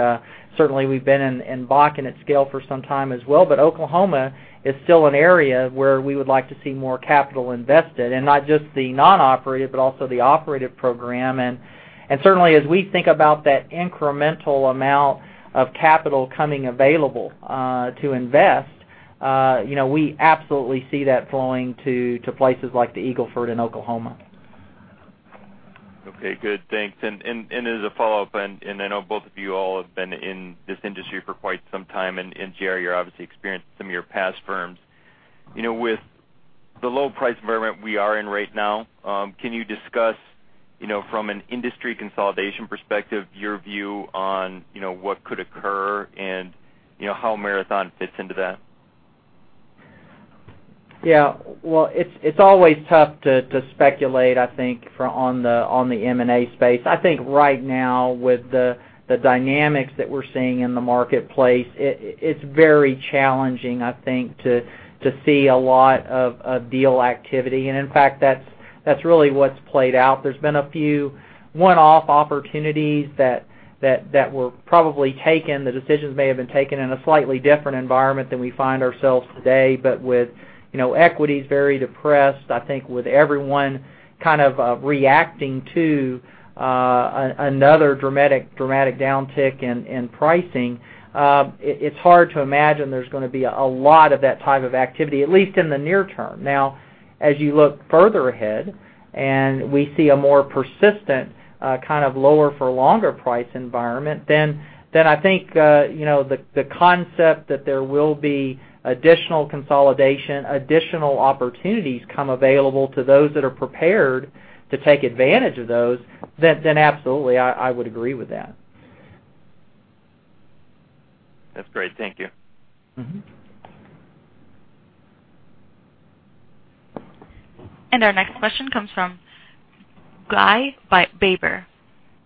[SPEAKER 2] Certainly, we've been in Bakken at scale for some time as well. Oklahoma is still an area where we would like to see more capital invested, and not just the non-operative, but also the operative program. Certainly, as we think about that incremental amount of capital coming available to invest, we absolutely see that flowing to places like the Eagle Ford and Oklahoma.
[SPEAKER 14] Okay, good. Thanks. As a follow-up, I know both of you all have been in this industry for quite some time, and J.R., you're obviously experienced in some of your past firms. With the low price environment we are in right now, can you discuss, from an industry consolidation perspective, your view on what could occur and how Marathon fits into that?
[SPEAKER 2] Yeah. Well, it's always tough to speculate, I think, on the M&A space. I think right now with the dynamics that we're seeing in the marketplace, it's very challenging, I think, to see a lot of deal activity. In fact, that's really what's played out. There's been a few one-off opportunities that were probably taken. The decisions may have been taken in a slightly different environment than we find ourselves today. With equities very depressed, I think with everyone kind of reacting to another dramatic downtick in pricing, it's hard to imagine there's going to be a lot of that type of activity, at least in the near term. As you look further ahead and we see a more persistent kind of lower for longer price environment, I think the concept that there will be additional consolidation, additional opportunities come available to those that are prepared to take advantage of those, absolutely, I would agree with that.
[SPEAKER 14] That's great. Thank you.
[SPEAKER 3] Our next question comes from Guy Baber.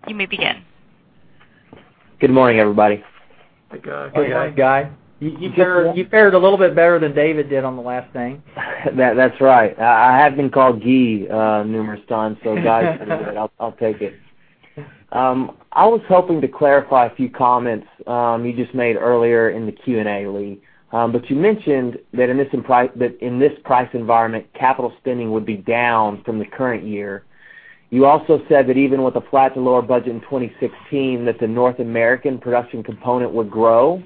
[SPEAKER 3] You may begin.
[SPEAKER 15] Good morning, everybody.
[SPEAKER 2] Hey, Guy.
[SPEAKER 5] Hey, Guy.
[SPEAKER 2] You fared a little bit better than David did on the last name.
[SPEAKER 15] That's right. I have been called Guy numerous times- so Guy, I'll take it. I was hoping to clarify a few comments you just made earlier in the Q&A, Lee. You mentioned that in this price environment, capital spending would be down from the current year. You also said that even with a flat to lower budget in 2016, that the North American production component would grow.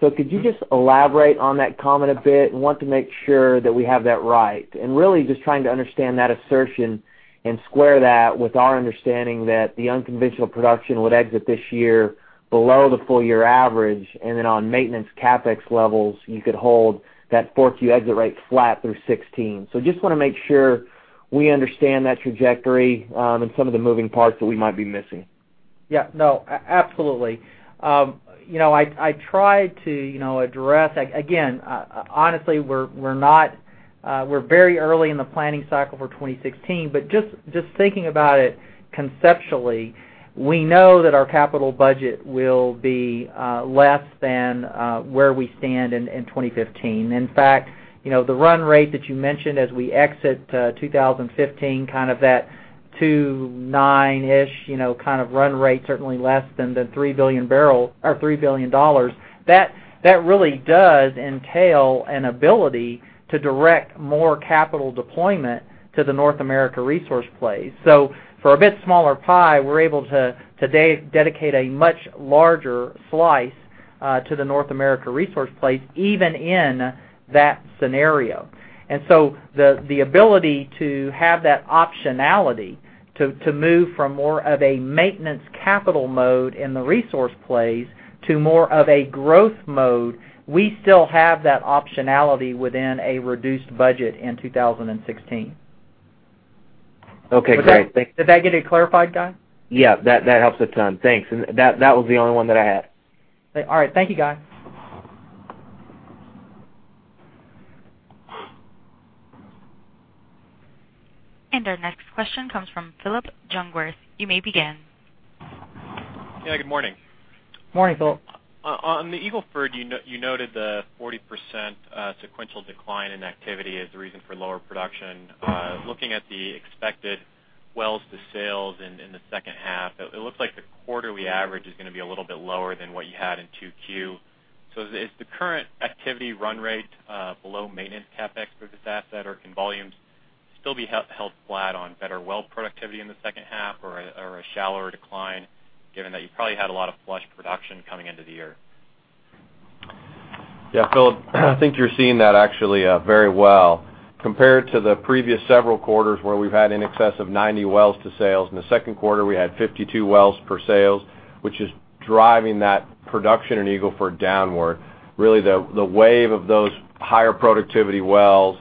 [SPEAKER 15] Could you just elaborate on that comment a bit? Want to make sure that we have that right, and really just trying to understand that assertion and square that with our understanding that the unconventional production would exit this year below the full year average, and then on maintenance CapEx levels, you could hold that 4Q exit rate flat through 2016. Just want to make sure we understand that trajectory, and some of the moving parts that we might be missing.
[SPEAKER 2] Yeah. No, absolutely. Again, honestly, we're very early in the planning cycle for 2016. Just thinking about it conceptually, we know that our capital budget will be less than where we stand in 2015. In fact, the run rate that you mentioned as we exit 2015, that 2.9-ish run rate, certainly less than the $3 billion, that really does entail an ability to direct more capital deployment to the North America resource plays. For a bit smaller pie, we're able to dedicate a much larger slice to the North America resource plays, even in that scenario. The ability to have that optionality to move from more of a maintenance capital mode in the resource plays to more of a growth mode, we still have that optionality within a reduced budget in 2016.
[SPEAKER 15] Okay, great. Thank-
[SPEAKER 2] Did that get it clarified, Guy?
[SPEAKER 15] Yeah, that helps a ton. Thanks. That was the only one that I had.
[SPEAKER 2] All right. Thank you, Guy.
[SPEAKER 3] Our next question comes from Phillip Jungwirth. You may begin.
[SPEAKER 16] Yeah, good morning.
[SPEAKER 2] Morning, Phil.
[SPEAKER 16] On the Eagle Ford, you noted the 40% sequential decline in activity as the reason for lower production. Looking at the expected wells to sales in the second half, it looks like the quarterly average is going to be a little bit lower than what you had in 2Q. Is the current activity run rate below maintenance CapEx for this asset, or can volumes still be held flat on better well productivity in the second half or a shallower decline, given that you probably had a lot of flush production coming into the year?
[SPEAKER 5] Yeah, Phillip, I think you're seeing that actually very well. Compared to the previous several quarters where we've had in excess of 90 wells to sales. In the second quarter, we had 52 wells per sales, which is driving that production in Eagle Ford downward. Really, the wave of those higher productivity wells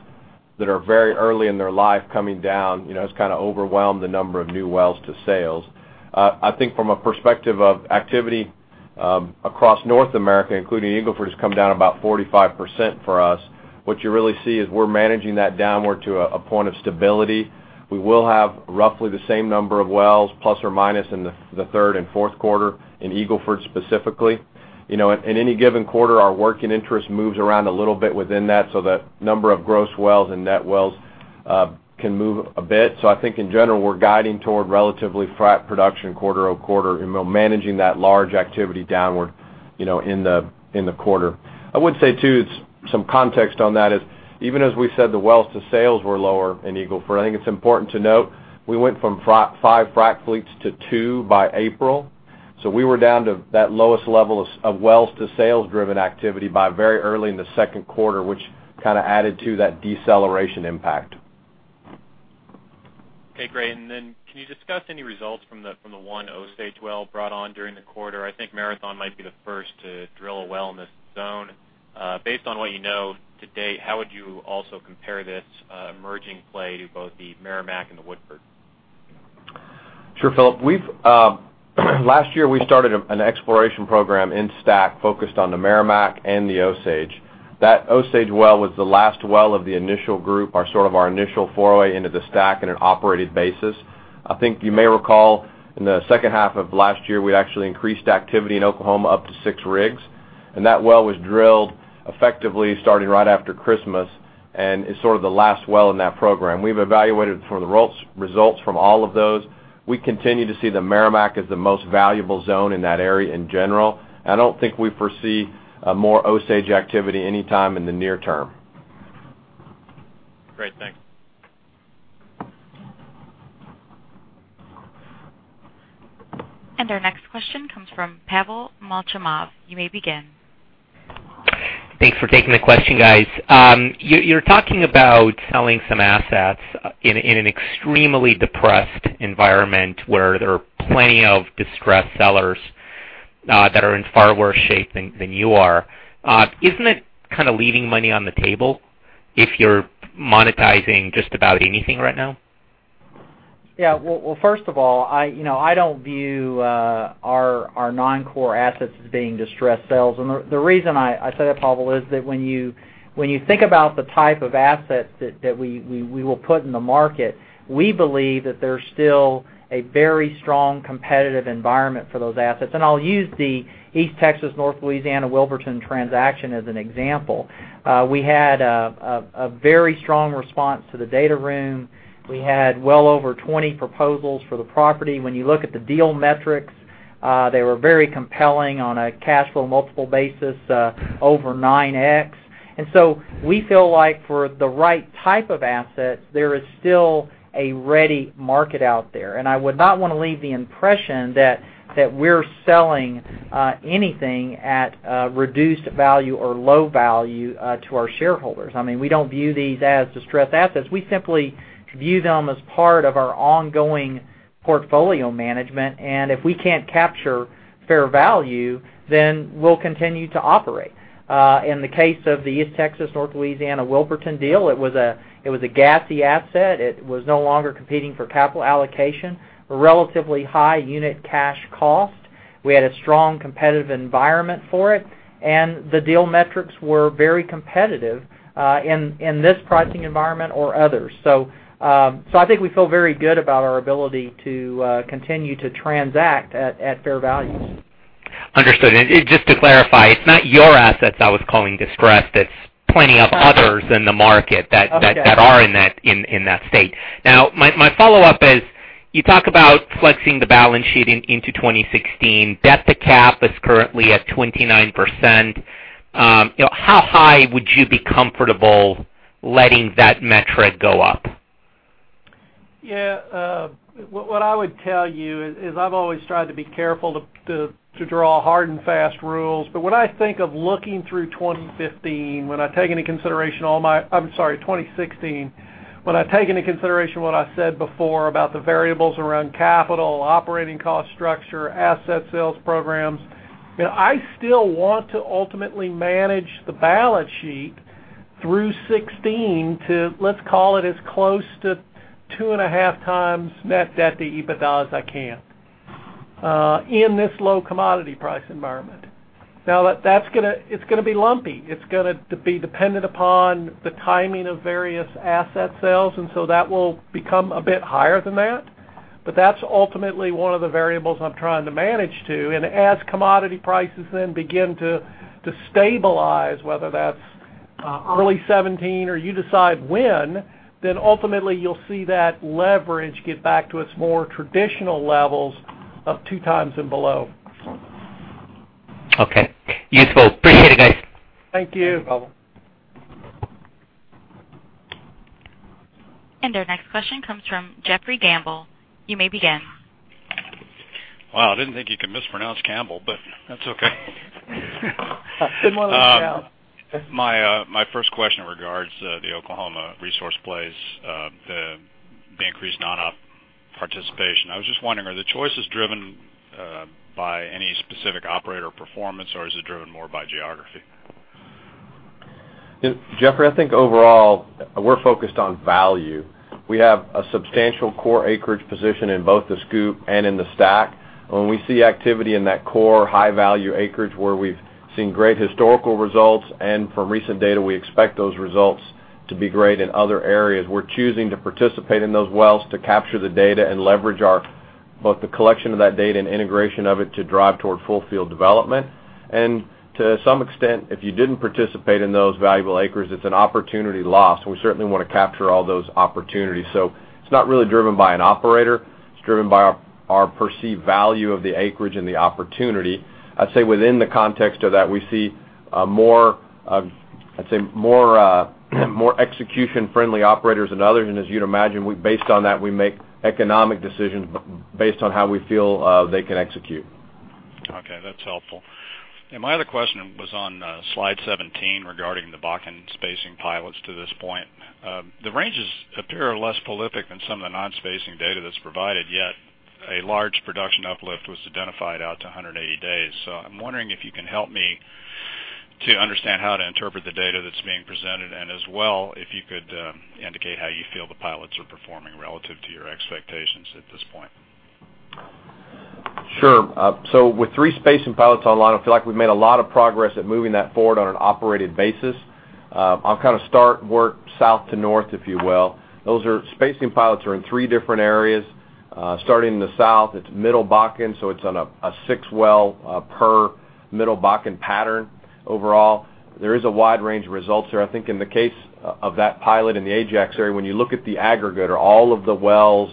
[SPEAKER 5] that are very early in their life coming down, has overwhelmed the number of new wells to sales. I think from a perspective of activity across North America, including Eagle Ford, has come down about 45% for us. What you really see is we're managing that downward to a point of stability. We will have roughly the same number of wells, plus or minus in the third and fourth quarter in Eagle Ford specifically. In any given quarter, our working interest moves around a little bit within that, so the number of gross wells and net wells can move a bit. I think in general, we're guiding toward relatively flat production quarter-over-quarter and managing that large activity downward in the quarter. I would say, too, some context on that is even as we said the wells to sales were lower in Eagle Ford, I think it's important to note we went from five frac fleets to two by April. We were down to that lowest level of wells to sales driven activity by very early in the second quarter, which added to that deceleration impact.
[SPEAKER 16] Okay, great. Can you discuss any results from the one Osage well brought on during the quarter? I think Marathon might be the first to drill a well in this zone. Based on what you know to date, how would you also compare this emerging play to both the Meramec and the Woodford?
[SPEAKER 5] Sure, Phillip. Last year we started an exploration program in STACK focused on the Meramec and the Osage. That Osage well was the last well of the initial group, our initial foray into the STACK in an operated basis. I think you may recall in the second half of last year, we actually increased activity in Oklahoma up to six rigs, that well was drilled effectively starting right after Christmas and is sort of the last well in that program. We've evaluated for the results from all of those. We continue to see the Meramec as the most valuable zone in that area in general. I don't think we foresee more Osage activity anytime in the near term.
[SPEAKER 16] Great, thanks.
[SPEAKER 3] Our next question comes from Pavel Molchanov. You may begin.
[SPEAKER 17] Thanks for taking the question, guys. You're talking about selling some assets in an extremely depressed environment where there are plenty of distressed sellers that are in far worse shape than you are. Isn't it kind of leaving money on the table if you're monetizing just about anything right now?
[SPEAKER 2] Yeah. Well, first of all, I don't view our non-core assets as being distressed sales. The reason I say that, Pavel, is that when you think about the type of assets that we will put in the market, we believe that there's still a very strong competitive environment for those assets. I'll use the East Texas, North Louisiana, Wilburton transaction as an example. We had a very strong response to the data room. We had well over 20 proposals for the property. When you look at the deal metrics, they were very compelling on a cash flow multiple basis, over 9X. We feel like for the right type of asset, there is still a ready market out there. I would not want to leave the impression that we're selling anything at reduced value or low value to our shareholders. We don't view these as distressed assets. We simply view them as part of our ongoing portfolio management. If we can't capture fair value, we'll continue to operate. In the case of the East Texas, North Louisiana, Wilburton deal, it was a gassy asset. It was no longer competing for capital allocation, a relatively high unit cash cost. We had a strong competitive environment for it, and the deal metrics were very competitive, in this pricing environment or others. I think we feel very good about our ability to continue to transact at fair value.
[SPEAKER 17] Understood. Just to clarify, it's not your assets I was calling distressed. It's plenty of others in the market that are in that state. My follow-up is, you talk about flexing the balance sheet into 2016. Debt to cap is currently at 29%. How high would you be comfortable letting that metric go up?
[SPEAKER 7] What I would tell you is I've always tried to be careful to draw hard and fast rules. When I think of looking through 2015, when I take into consideration I'm sorry, 2016, when I take into consideration what I said before about the variables around capital, operating cost structure, asset sales programs, I still want to ultimately manage the balance sheet through 2016 to, let's call it, as close to two and a half times net debt to EBITDA as I can in this low commodity price environment. It's going to be lumpy. It's going to be dependent upon the timing of various asset sales, that will become a bit higher than that. That's ultimately one of the variables I'm trying to manage to. As commodity prices begin to stabilize, whether that's early 2017 or you decide when, ultimately you'll see that leverage get back to its more traditional levels of two times and below.
[SPEAKER 17] Okay. Useful. Appreciate it, guys.
[SPEAKER 7] Thank you.
[SPEAKER 2] Thank you, Pavel.
[SPEAKER 3] Our next question comes from Jeffrey Campbell. You may begin.
[SPEAKER 18] Wow. I didn't think you could mispronounce Campbell, but that's okay.
[SPEAKER 2] Been a while since I've tried.
[SPEAKER 18] My first question regards the Oklahoma resource plays, the increased non-op participation. I was just wondering, are the choices driven by any specific operator performance, or is it driven more by geography?
[SPEAKER 5] Jeffrey, I think overall, we're focused on value. We have a substantial core acreage position in both the SCOOP and in the STACK. From recent data, we expect those results to be great in other areas. We're choosing to participate in those wells to capture the data and leverage both the collection of that data and integration of it to drive toward full field development. To some extent, if you didn't participate in those valuable acres, it's an opportunity lost, and we certainly want to capture all those opportunities. It's not really driven by an operator. It's driven by our perceived value of the acreage and the opportunity. I'd say within the context of that, we see more execution-friendly operators than others. As you'd imagine, based on that, we make economic decisions based on how we feel they can execute.
[SPEAKER 18] Okay. That's helpful. My other question was on slide 17 regarding the Bakken spacing pilots to this point. The ranges appear less prolific than some of the non-spacing data that's provided, yet a large production uplift was identified out to 180 days. I'm wondering if you can help me to understand how to interpret the data that's being presented, and as well, if you could indicate how you feel the pilots are performing relative to your expectations at this point.
[SPEAKER 5] Sure. With three spacing pilots online, I feel like we've made a lot of progress at moving that forward on an operated basis. I'll start work south to north, if you will. Those are spacing pilots are in three different areas. Starting in the south, it's Middle Bakken, so it's on a six-well per Middle Bakken pattern overall. There is a wide range of results there. I think in the case of that pilot in the Ajax area, when you look at the aggregate or all of the wells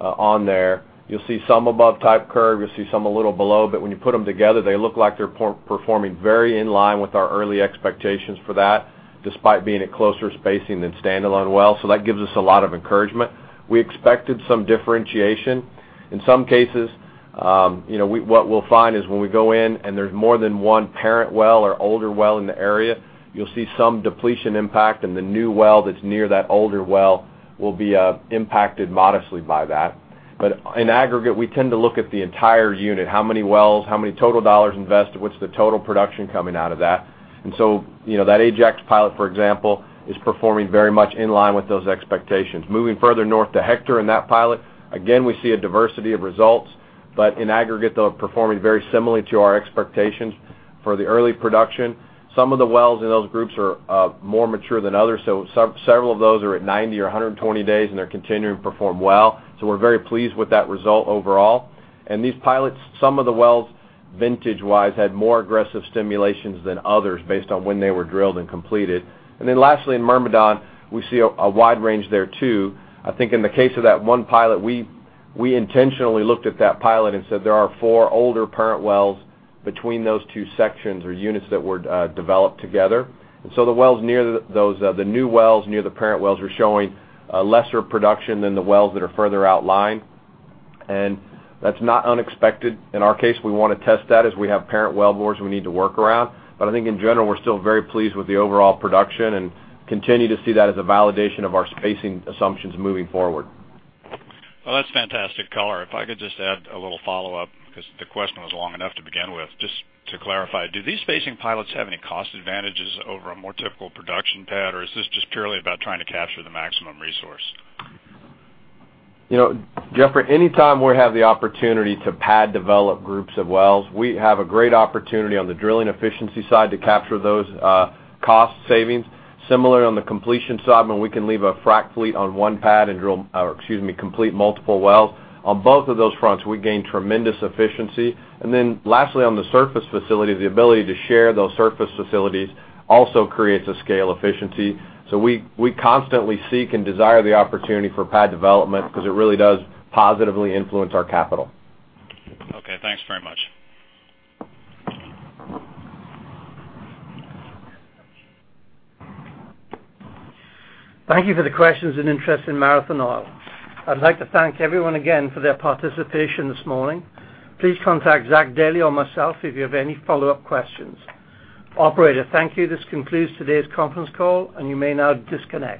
[SPEAKER 5] on there, you'll see some above type curve, you'll see some a little below, but when you put them together, they look like they're performing very in line with our early expectations for that, despite being at closer spacing than standalone wells. That gives us a lot of encouragement. We expected some differentiation. In some cases, what we'll find is when we go in and there's more than one parent well or older well in the area, you'll see some depletion impact and the new well that's near that older well will be impacted modestly by that. In aggregate, we tend to look at the entire unit, how many wells, how many total $ invested, what's the total production coming out of that. That Ajax pilot, for example, is performing very much in line with those expectations. Moving further north to Hector and that pilot, again, we see a diversity of results, but in aggregate, they are performing very similarly to our expectations for the early production. Some of the wells in those groups are more mature than others, so several of those are at 90 or 120 days, and they're continuing to perform well. We're very pleased with that result overall. These pilots, some of the wells, vintage-wise, had more aggressive stimulations than others based on when they were drilled and completed. Lastly, in Myrmidon, we see a wide range there too. I think in the case of that one pilot, we intentionally looked at that pilot and said there are four older parent wells between those two sections or units that were developed together. The new wells near the parent wells are showing a lesser production than the wells that are further outlined. That's not unexpected. In our case, we want to test that as we have parent wellbores we need to work around. I think in general, we're still very pleased with the overall production and continue to see that as a validation of our spacing assumptions moving forward.
[SPEAKER 18] Well, that's fantastic color. If I could just add a little follow-up, because the question was long enough to begin with. Just to clarify, do these spacing pilots have any cost advantages over a more typical production pad, or is this just purely about trying to capture the maximum resource?
[SPEAKER 5] Jeffrey, anytime we have the opportunity to pad develop groups of wells, we have a great opportunity on the drilling efficiency side to capture those cost savings. Similarly on the completion side, when we can leave a frack fleet on one pad and drill or complete multiple wells. On both of those fronts, we gain tremendous efficiency. Lastly, on the surface facility, the ability to share those surface facilities also creates a scale efficiency. We constantly seek and desire the opportunity for pad development because it really does positively influence our capital.
[SPEAKER 18] Okay, thanks very much.
[SPEAKER 1] Thank you for the questions and interest in Marathon Oil. I'd like to thank everyone again for their participation this morning. Please contact Zach Dailey or myself if you have any follow-up questions. Operator, thank you. This concludes today's conference call, and you may now disconnect.